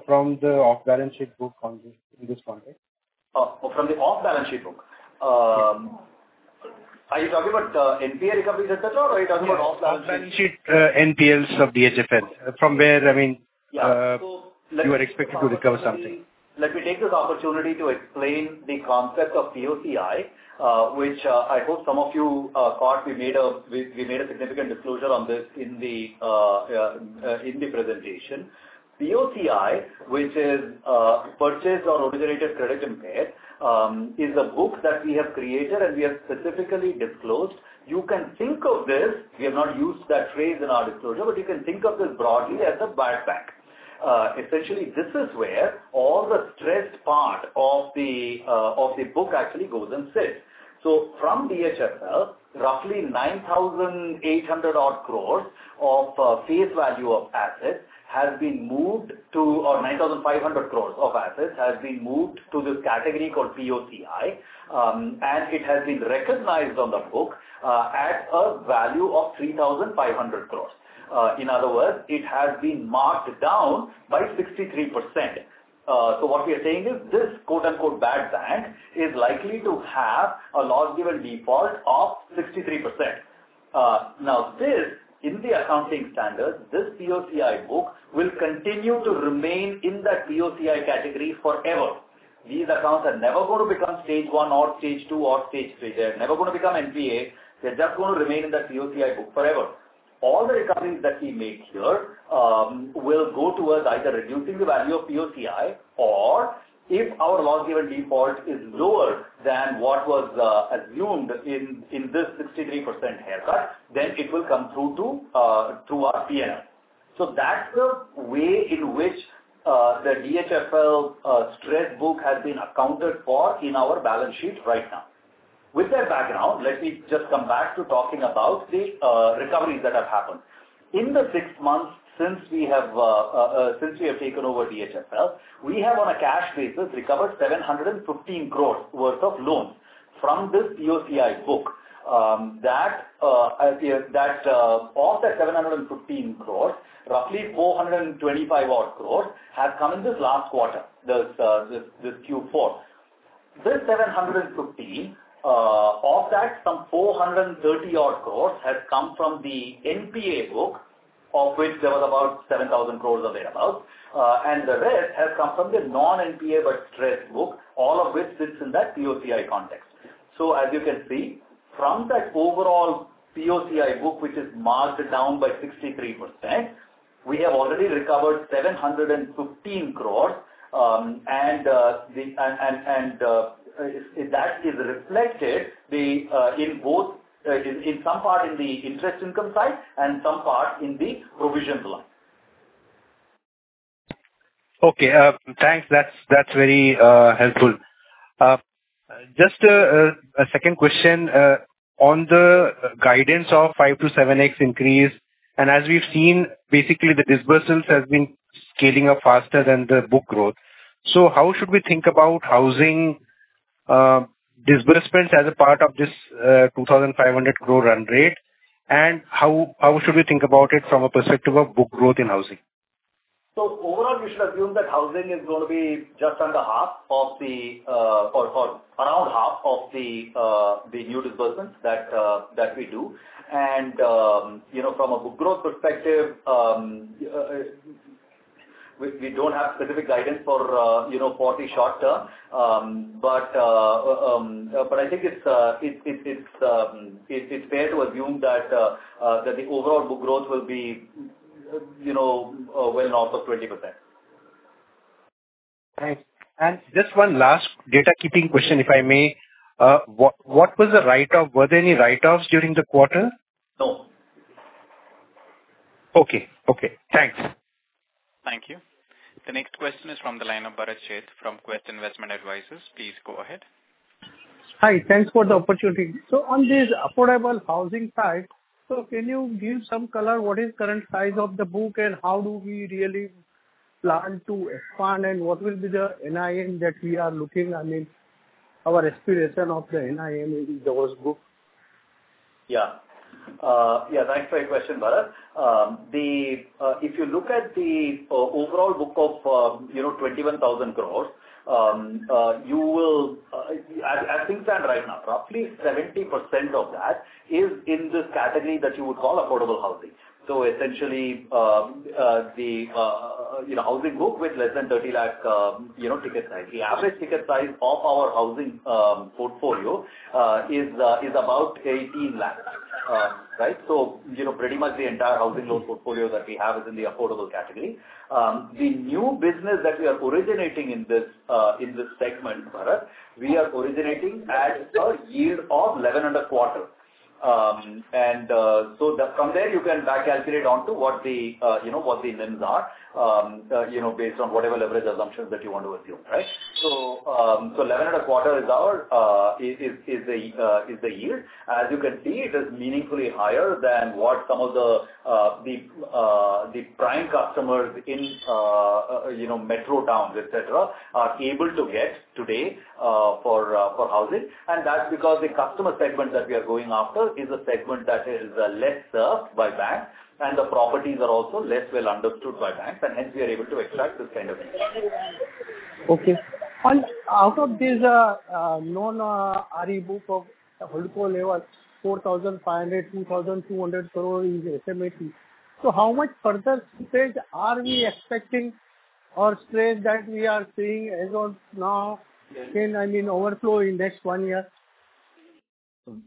Speaker 12: from the off-balance sheet book on this, in this context?
Speaker 8: From the off-balance sheet book? Are you talking about NPA recoveries et cetera, or are you talking about off-balance sheet?
Speaker 12: Off-balance sheet NPLs of DHFL. From where, I mean,
Speaker 8: Yeah.
Speaker 12: You were expected to recover something.
Speaker 8: Let me take this opportunity to explain the concept of POCI, which, I hope some of you, caught. We made a significant disclosure on this in the presentation. POCI, which is, Purchase or Originated Credit Impaired, is a book that we have created and we have specifically disclosed. You can think of this, we have not used that phrase in our disclosure, but you can think of this broadly as a bad bank. Essentially this is where all the stressed part of the book actually goes and sits. From DHFL, roughly 9,800 crores of face value of assets has been moved to or 9,500 crores of assets has been moved to this category called POCI. It has been recognized on the book at a value of 3,500 crores. In other words, it has been marked down by 63%. What we are saying is this quote-unquote bad bank is likely to have a loss given default of 63%. Now this in the accounting standard, this POCI book will continue to remain in that POCI category forever. These accounts are never gonna become stage one or stage two or stage three. They're never gonna become NPA. They're just gonna remain in the POCI book forever. All the recoveries that we make here will go towards either reducing the value of POCI or if our loss given default is lower than what was assumed in this 63% haircut, then it will come through to through our PNL. That's the way in which the DHFL stress book has been accounted for in our balance sheet right now. With that background, let me just come back to talking about the recoveries that have happened. In the six months since we have taken over DHFL, we have on a cash basis recovered 715 crores worth of loans from this POCI book. Of that 715 crores, roughly 425 odd crores has come in this last quarter, this Q4. This 715, of that some 430-odd crore has come from the NPA book, of which there was about 7,000 crore available, and the rest has come from the non-NPA but stressed book, all of which sits in that POCI context. As you can see from that overall POCI book, which is marked down by 63%, we have already recovered 715 crore. That is reflected in both, in some part in the interest income side and some part in the provision block.
Speaker 12: Okay. Thanks. That's very helpful. Just a second question on the guidance of 5x-7x increase, and as we've seen, basically the disbursements has been scaling up faster than the book growth. How should we think about housing disbursements as a part of this 2,500 crore run rate? And how should we think about it from a perspective of book growth in housing?
Speaker 8: Overall, we should assume that housing is gonna be just under half or around half of the new disbursements that we do. You know, from a book growth perspective, we don't have specific guidance for, you know, the short term. I think it's fair to assume that the overall book growth will be, you know, well north of 20%.
Speaker 12: Thanks. Just one last housekeeping question, if I may. What was the write-off? Were there any write-offs during the quarter?
Speaker 8: No.
Speaker 12: Okay. Thanks.
Speaker 1: Thank you. The next question is from the line of Bharat Sheth from Quest Investment Advisors. Please go ahead.
Speaker 13: Hi. Thanks for the opportunity. On this affordable housing side, so can you give some color what is current size of the book and how do we really plan to expand and what will be the NIM that we are looking? I mean, our aspiration of the NIM in those books.
Speaker 8: Thanks for your question, Bharat. If you look at the overall book of, you know, 21,000 crore, you will, as things stand right now, roughly 70% of that is in this category that you would call affordable housing. Essentially, the housing book with less than 30 lakh ticket size. The average ticket size of our housing portfolio is about 18 lakh. Right? You know, pretty much the entire housing loan portfolio that we have is in the affordable category. The new business that we are originating in this segment, Bharat, we are originating at a yield of 11.25%. From there you can back calculate onto what the NIMs are, you know, based on whatever leverage assumptions that you want to assume, right? Eleven and a quarter is our yield. As you can see, it is meaningfully higher than what some of the prime customers in metro towns, etc, are able to get today for housing. That's because the customer segment that we are going after is a segment that is less served by banks, and the properties are also less well understood by banks, and hence we are able to extract this kind of thing.
Speaker 13: Okay. Out of this non-RE book of haircut level, 4,500 crore, 2,200 crore is estimated. How much further stress are we expecting or stress that we are seeing as of now can overflow in next 1 year?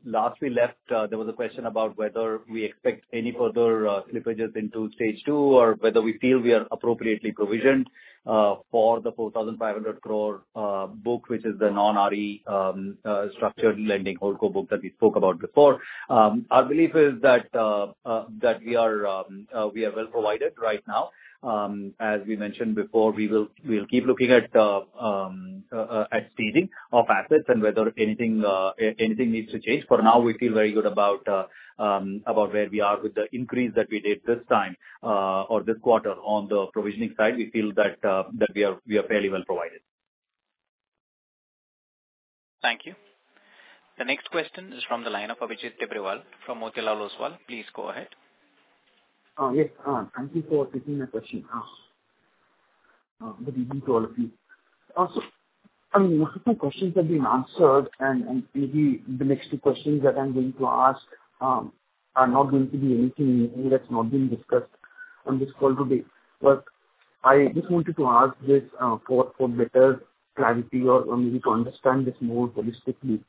Speaker 8: Last we left, there was a question about whether we expect any further slippages into stage two or whether we feel we are appropriately provisioned for the 4,500 crore book, which is the non-RE structured lending HoldCo book that we spoke about before. Our belief is that we are well provided right now. As we mentioned before, we will, we'll keep looking at seeding of assets and whether anything needs to change. For now, we feel very good about where we are with the increase that we did this time, or this quarter. On the provisioning side, we feel that we are fairly well provided.
Speaker 1: Thank you. The next question is from the line of Abhijit Tibrewal from Motilal Oswal. Please go ahead.
Speaker 14: Yes. Thank you for taking my question. Good evening to all of you. I mean, most of my questions have been answered and maybe the next two questions that I'm going to ask are not going to be anything that's not been discussed on this call today. I just wanted to ask this for better clarity or maybe to understand this more holistically.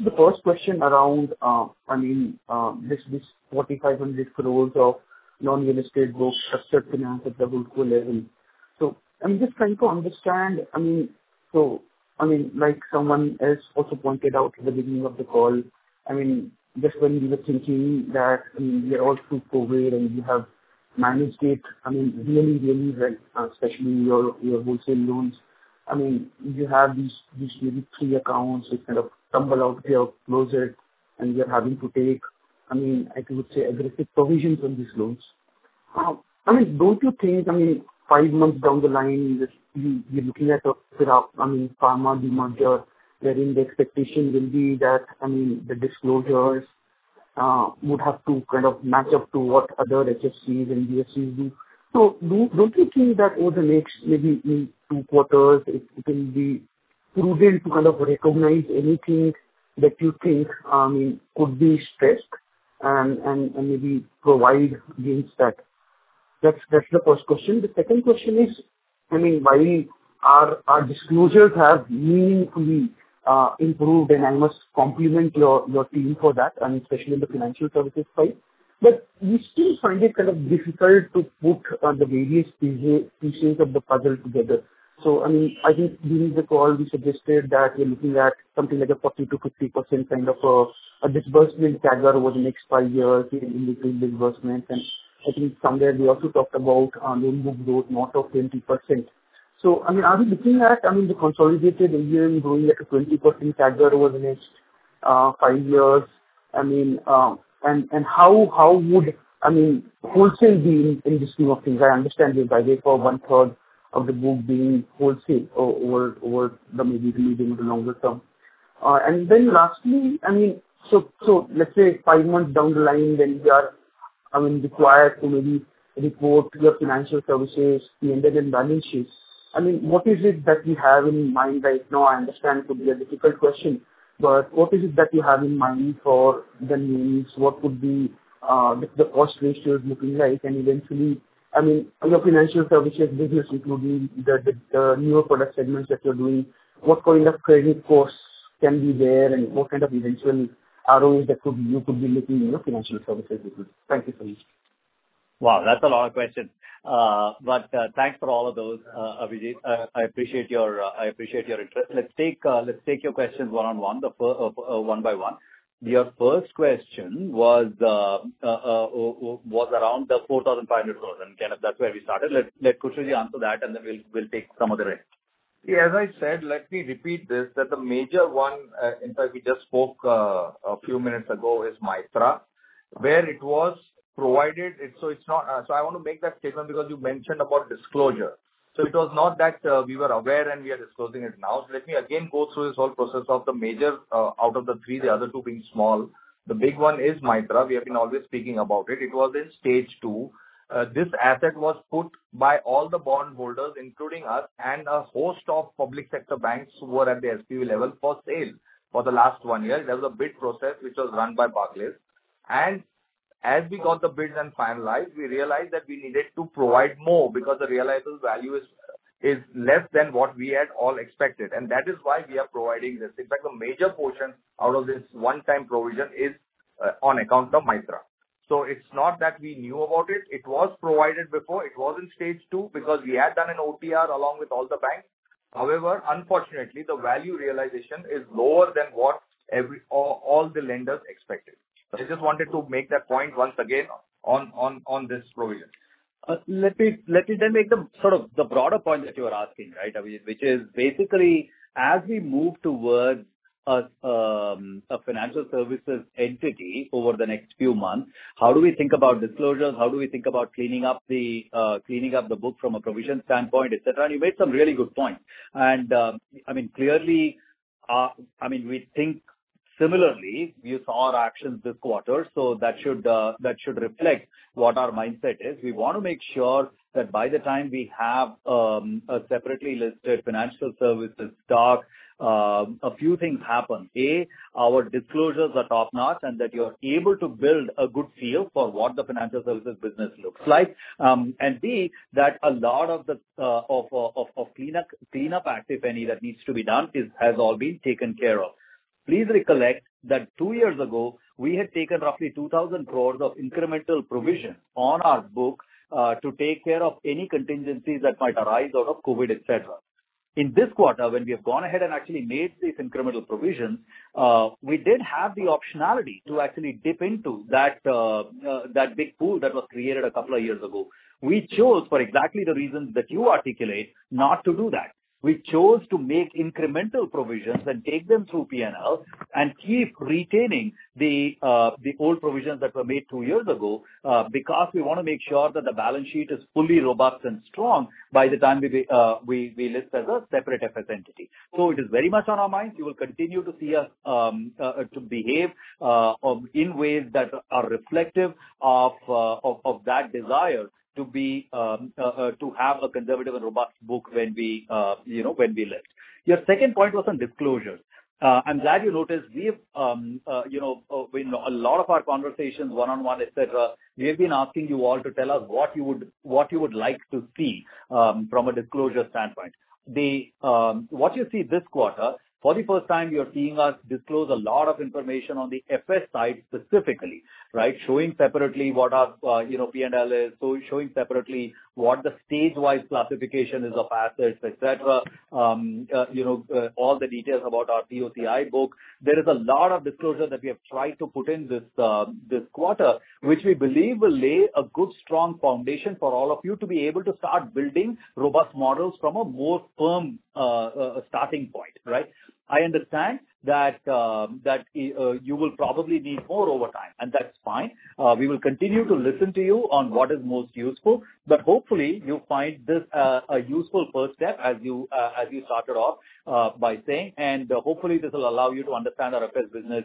Speaker 14: The first question around I mean this 4,500 crore of non-real estate gross structured finance at the HoldCo level. I'm just trying to understand. I mean, someone else also pointed out at the beginning of the call. I mean, just when we were thinking that, I mean, we are all through COVID and we have managed it, I mean, really, really well, especially your wholesale loans. I mean, you have these maybe three accounts which kind of stumble out of your closet and you're having to take, I mean, I would say aggressive provisions on these loans. I mean, don't you think, I mean, five months down the line that you're looking at a graph, I mean, pharma demand here wherein the expectation will be that, I mean, the disclosures would have to kind of match up to what other HFCs and VFCs do. Don't you think that over the next maybe two quarters it will be prudent to kind of recognize anything that you think could be stressed and maybe provide against that? That's the first question. The second question is, I mean, while our disclosures have meaningfully improved, and I must compliment your team for that, and especially in the financial services side, but we still find it kind of difficult to put the various puzzle pieces of the puzzle together. I mean, I think during the call we suggested that we're looking at something like a 40%-50% kind of a disbursement CAGR over the next five years in between disbursements. I think somewhere we also talked about loan book growth north of 20%. I mean, are we looking at, I mean, the consolidated AUM growing at a 20% CAGR over the next five years? I mean, and how would wholesale being in this scheme of things? I understand your guidance for 1/3 of the book being wholesale over the medium to longer term. And then lastly, I mean, so let's say five months down the line when we are, I mean, required to maybe report your financial services P&L and balance sheets, I mean, what is it that you have in mind right now? I understand it could be a difficult question, but what is it that you have in mind for the NIMs? What would be the cost ratios looking like? Eventually, I mean, your financial services business, including the newer product segments that you're doing, what kind of credit costs can be there and what kind of eventual ROE that could be, you could be looking in your financial services business? Thank you so much.
Speaker 8: Wow, that's a lot of questions. Thanks for all of those, Abhijit. I appreciate your interest. Let's take your questions one by one. Your first question was around the 4,500 crore, and, Kenneth, that's where we started. Let Khushru Jijina answer that, and then we'll take some of the rest.
Speaker 7: Yeah, as I said, let me repeat this, that the major one, in fact we just spoke, a few minutes ago is Mytrah. I wanna make that statement because you mentioned about disclosure. Let me again go through this whole process of the major, out of the three, the other two being small. The big one is Mytrah. We have been always speaking about it. It was in stage two. This asset was put by all the bondholders, including us, and a host of public sector banks who were at the SPV level for sale for the last one year. There was a bid process which was run by Barclays. As we got the bids and finalized, we realized that we needed to provide more because the realizable value is less than what we had all expected. That is why we are providing this. In fact, a major portion out of this one-time provision is on account of Mytrah. It's not that we knew about it. It was provided before. It was in stage two because we had done an OTR along with all the banks. However, unfortunately, the value realization is lower than what all the lenders expected. I just wanted to make that point once again on this provision.
Speaker 8: Let me then make the sort of broader point that you are asking, right, Abhijit? Which is basically as we move towards a financial services entity over the next few months, how do we think about disclosures? How do we think about cleaning up the book from a provision standpoint, et cetera? You made some really good points. I mean, clearly, we think similarly. You saw our actions this quarter, so that should reflect what our mindset is. We wanna make sure that by the time we have a separately-listed financial services stock, a few things happen. A, our disclosures are top-notch and that you're able to build a good feel for what the financial services business looks like. B, that a lot of the cleanup act, if any, that needs to be done has all been taken care of. Please recollect that two years ago, we had taken roughly 2,000 crores of incremental provision on our books, to take care of any contingencies that might arise out of COVID, et cetera. In this quarter, when we have gone ahead and actually made the incremental provision, we did have the optionality to actually dip into that that big pool that was created a couple of years ago. We chose for exactly the reasons that you articulate not to do that. We chose to make incremental provisions and take them through P&L and keep retaining the old provisions that were made two years ago, because we wanna make sure that the balance sheet is fully robust and strong by the time we list as a separate FS entity. It is very much on our minds. You will continue to see us to behave in ways that are reflective of that desire to have a conservative and robust book when we you know when we list. Your second point was on disclosure. I'm glad you noticed. We have, you know, in a lot of our conversations, one-on-one, et cetera, we have been asking you all to tell us what you would like to see, from a disclosure standpoint. What you see this quarter, for the first time you're seeing us disclose a lot of information on the FS side specifically, right? Showing separately what our, you know, P&L is. So showing separately what the stage-wise classification is of assets, et cetera. You know, all the details about our POCI book. There is a lot of disclosure that we have tried to put in this quarter, which we believe will lay a good, strong foundation for all of you to be able to start building robust models from a more firm, starting point, right? I understand that you will probably need more over time, and that's fine. We will continue to listen to you on what is most useful, but hopefully you find this a useful first step as you started off by saying, and hopefully this will allow you to understand our FS business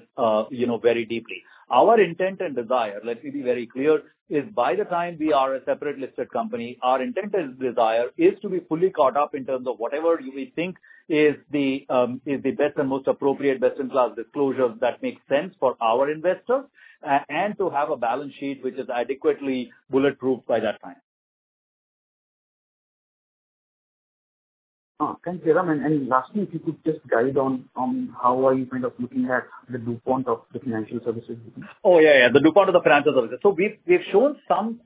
Speaker 8: you know very deeply. Our intent and desire, let me be very clear, is by the time we are a separate listed company, our intent and desire is to be fully caught up in terms of whatever you may think is the best and most appropriate best-in-class disclosures that make sense for our investors. To have a balance sheet which is adequately bulletproof by that time.
Speaker 14: Thank you, Jairam. Lastly, if you could just guide on how are you kind of looking at the DuPont of the financial services business?
Speaker 8: Oh, yeah. The DuPont of the financial services. We've shown some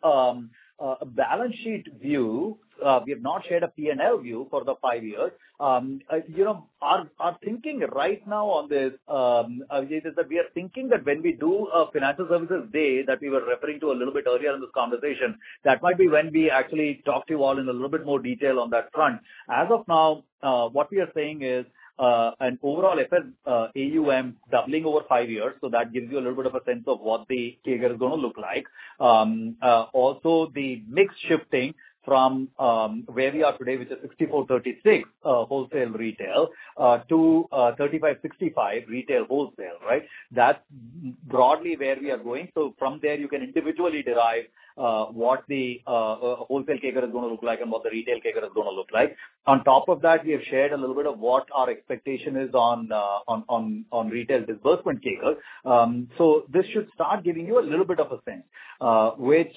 Speaker 8: balance sheet view. We have not shared a P&L view for the five years. You know, our thinking right now on this, Ajay, is that we are thinking that when we do a financial services day that we were referring to a little bit earlier in this conversation, that might be when we actually talk to you all in a little bit more detail on that front. As of now, what we are saying is, an overall FS AUM doubling over five years. That gives you a little bit of a sense of what the figure is gonna look like. Also, the mix shifting from where we are today with the 64-36 wholesale retail to 35-65 retail wholesale, right? That's broadly where we are going. From there you can individually derive what the wholesale figure is gonna look like and what the retail figure is gonna look like. On top of that, we have shared a little bit of what our expectation is on retail disbursement figures. This should start giving you a little bit of a sense, which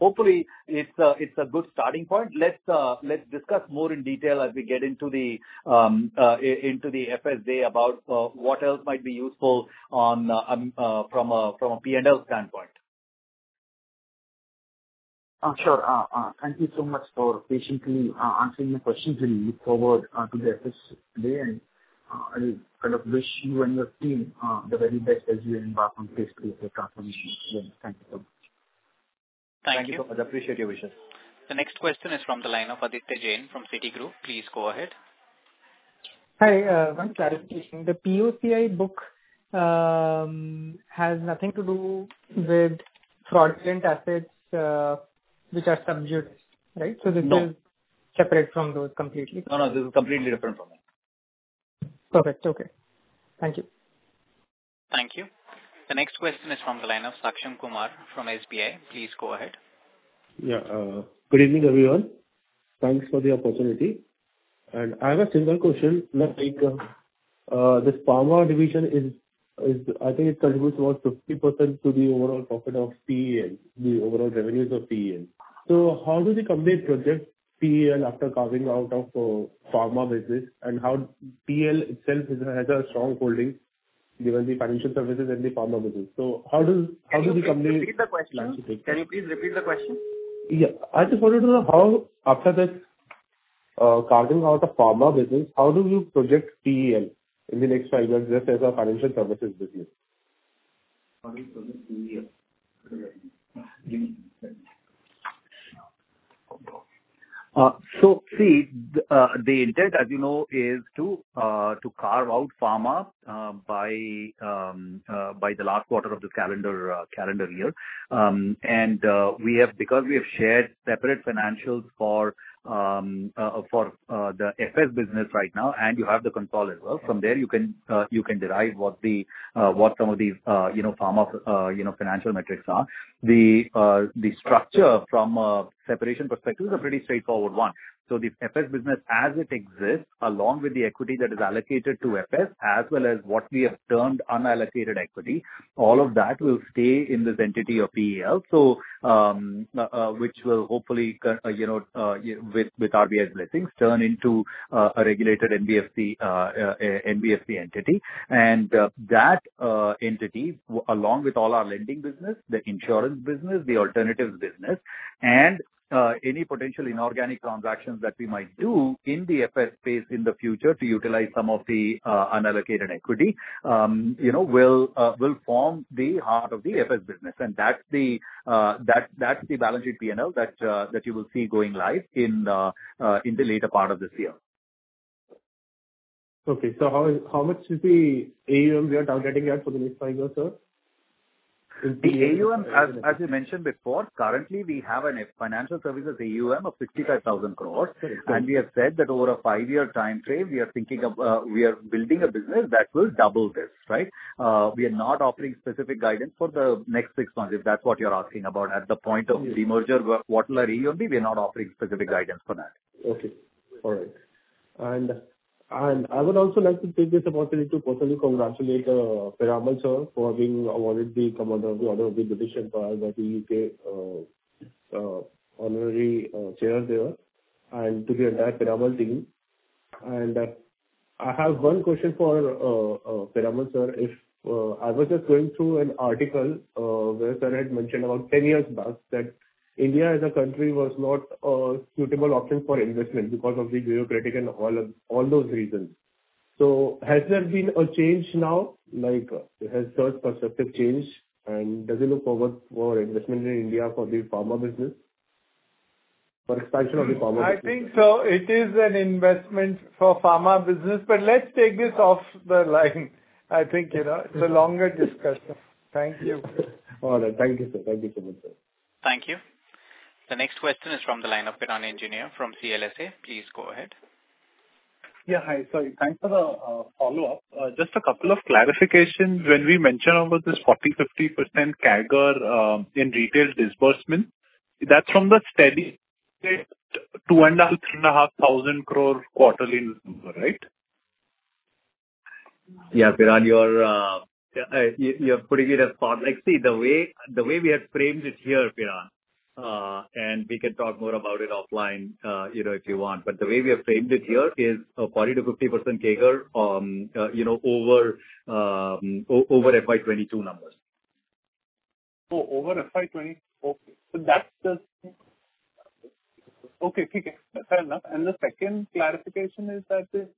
Speaker 8: hopefully it's a good starting point. Let's discuss more in detail as we get into the FS day about what else might be useful from a P&L standpoint.
Speaker 14: Sure. Thank you so much for patiently answering the questions. We look forward to the FS day, and I kind of wish you and your team the very best as you embark on phase III of your transformation journey. Thank you so much.
Speaker 1: Thank you.
Speaker 8: Thank you so much. Appreciate your wishes.
Speaker 1: The next question is from the line of Aditya Jain from Citigroup. Please go ahead.
Speaker 15: Hi. One clarification. The POCI book has nothing to do with fraudulent assets, which are sub judice, right?
Speaker 8: No.
Speaker 15: This is separate from those completely?
Speaker 8: No, no. This is completely different from that.
Speaker 15: Perfect. Okay. Thank you.
Speaker 1: Thank you. The next question is from the line of Sachin Kumar from SBI. Please go ahead.
Speaker 16: Yeah. Good evening, everyone. Thanks for the opportunity. I have a similar question. Like, this pharma division is, I think it contributes about 50% to the overall profit of PEL, the overall revenues of PEL. How does the company project PEL after carving out of pharma business? How PEL itself has a strong holding given the financial services and the pharma business. How does the company-
Speaker 8: Can you please repeat the question?
Speaker 2: Can you please repeat the question?
Speaker 16: Yeah. I just wanted to know how after the carving out the pharma business, how do you project PEL in the next five years just as a financial services business?
Speaker 8: How do you project PEL?
Speaker 16: Correct.
Speaker 8: See, the intent, as you know, is to carve out Pharma by the last quarter of this calendar year. We have shared separate financials for the FS business right now, and you have the consolidated as well. From there you can derive what some of these, you know, Pharma, you know, financial metrics are. The structure from a separation perspective is a pretty straightforward one. The FS business as it exists, along with the equity that is allocated to FS, as well as what we have termed unallocated equity, all of that will stay in this entity of PEL which will hopefully, you know, with RBI's blessings, turn into a regulated NBFC entity. That entity, along with all our lending business, the insurance business, the alternatives business, and any potential inorganic transactions that we might do in the FS space in the future to utilize some of the unallocated equity, you know, will form the heart of the FS business. That's the balance sheet P&L that you will see going live in the later part of this year.
Speaker 16: How much is the AUM we are targeting at for the next five years, sir?
Speaker 8: The AUM, as we mentioned before, currently we have a financial services AUM of 65,000 crore.
Speaker 16: Okay.
Speaker 8: We have said that over a five-year time frame, we are thinking of, we are building a business that will double this, right? We are not offering specific guidance for the next six months, if that's what you're asking about. At the point of.
Speaker 16: Yes.
Speaker 8: The merger, what our AUM will be, we're not offering specific guidance for that.
Speaker 16: Okay. All right. I would also like to take this opportunity to personally congratulate Piramal sir for being awarded the Commander of the Order of the British Empire by the U.K. honorary chair there, and to the entire Piramal team. I have one question for Piramal sir. If I was just going through an article where sir had mentioned about 10 years back that India as a country was not a suitable option for investment because of the bureaucracy and all those reasons. Has there been a change now? Like, has sir's perspective changed, and does he look forward for investment in India for the pharma business? For expansion of the pharma business.
Speaker 3: I think so. It is an investment for pharma business, but let's take this off the line. I think, you know, it's a longer discussion. Thank you.
Speaker 16: All right. Thank you, sir. Thank you so much, sir.
Speaker 1: Thank you. The next question is from the line of Piran Engineer from CLSA. Please go ahead.
Speaker 6: Hi, sorry. Thanks for the follow-up. Just a couple of clarifications. When we mention about this 40%-50% CAGR in retail disbursement, that's from the steady state 2,500 crore-3,500 crores quarterly number, right?
Speaker 8: Piran, like, see, the way we have framed it here, Piran, and we can talk more about it offline, you know, if you want. The way we have framed it here is a 40%-50% CAGR over FY 2022 numbers.
Speaker 6: Fair enough. The second clarification is that the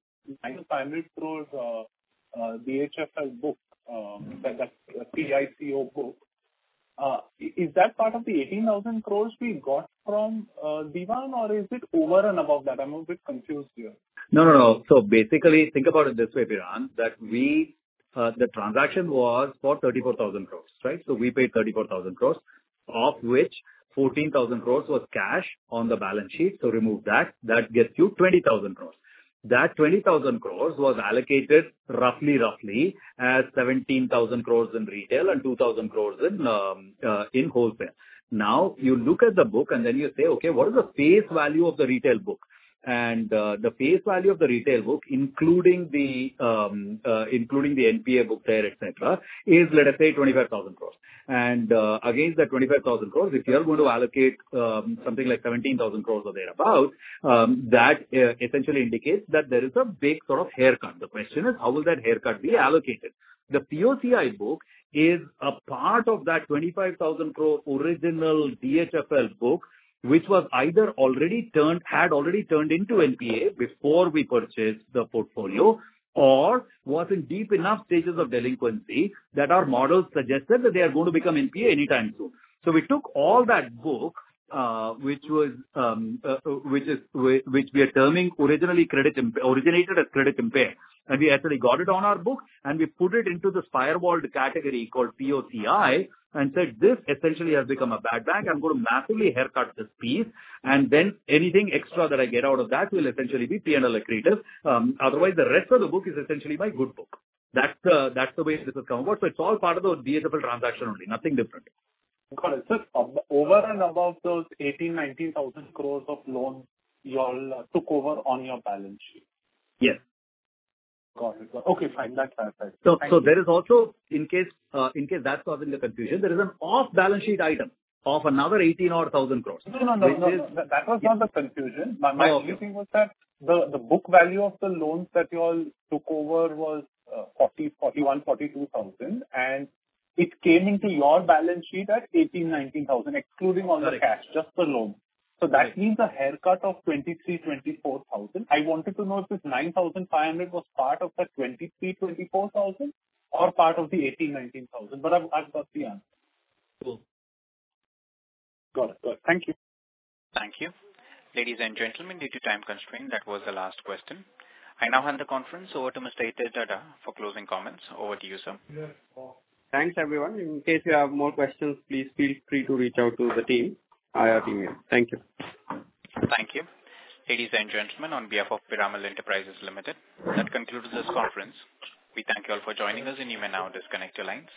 Speaker 6: INR 900 crores DHFL book, that PICO book, is that part of the 18,000 crores we got from Dewan, or is it over and above that? I'm a bit confused here.
Speaker 8: No, no. Basically, think about it this way, Piran, that we, the transaction was for 34,000 crore, right? We paid 34,000 crore, of which 14,000 crore was cash on the balance sheet, so remove that. That gets you 20,000 crore. That 20,000 crore was allocated roughly as 17,000 crore in retail and 2,000 crore in wholesale. Now, you look at the book and then you say, "Okay, what is the face value of the retail book?" The face value of the retail book, including the NPA book there, et cetera, is, let us say, 25,000 crore. Against that 25,000 crore, if you are going to allocate something like 17,000 crore or thereabout, that essentially indicates that there is a big sort of haircut. The question is, how will that haircut be allocated? The POCI book is a part of that 25,000 crore original DHFL book, which had already turned into NPA before we purchased the portfolio or was in deep enough stages of delinquency that our models suggested that they are going to become NPA anytime soon. We took all that book, which we are terming originated as credit impaired, and we actually got it on our books and we put it into this firewalled category called POCI and said, "This essentially has become a bad bank. I'm gonna massively haircut this piece, and then anything extra that I get out of that will essentially be PNL accretive. Otherwise, the rest of the book is essentially my good book. That's the way this has come about. It's all part of the DHFL transaction only. Nothing different.
Speaker 6: Got it. Over and above those 18,000-19,000 crore of loans you all took over on your balance sheet?
Speaker 8: Yes.
Speaker 6: Got it. Okay, fine. That's fine. Thank you.
Speaker 8: There is also, in case, in case that's causing the confusion, there is an off-balance sheet item of another 18,000 crores.
Speaker 6: No.
Speaker 8: Which is-
Speaker 6: That was not the confusion.
Speaker 8: Oh, okay.
Speaker 6: My only thing was that the book value of the loans that you all took over was 40,000-42,000 and it came into your balance sheet at 18,000-19,000, excluding all the cash.
Speaker 8: Correct.
Speaker 6: Just the loan.
Speaker 8: Right.
Speaker 6: That means a haircut of 23,0000-24,000. I wanted to know if this 9,500 was part of the 23,000-24,000 or part of the 18,000-19,000. I've got the answer.
Speaker 8: Cool.
Speaker 6: Got it. Thank you.
Speaker 1: Thank you. Ladies and gentlemen, due to time constraint, that was the last question. I now hand the conference over to Mr. Hitesh Dhaddha for closing comments. Over to you, sir.
Speaker 2: Yes. Thanks, everyone. In case you have more questions, please feel free to reach out to the team, our team here. Thank you.
Speaker 1: Thank you. Ladies and gentlemen, on behalf of Piramal Enterprises Limited, that concludes this conference. We thank you all for joining us and you may now disconnect your lines.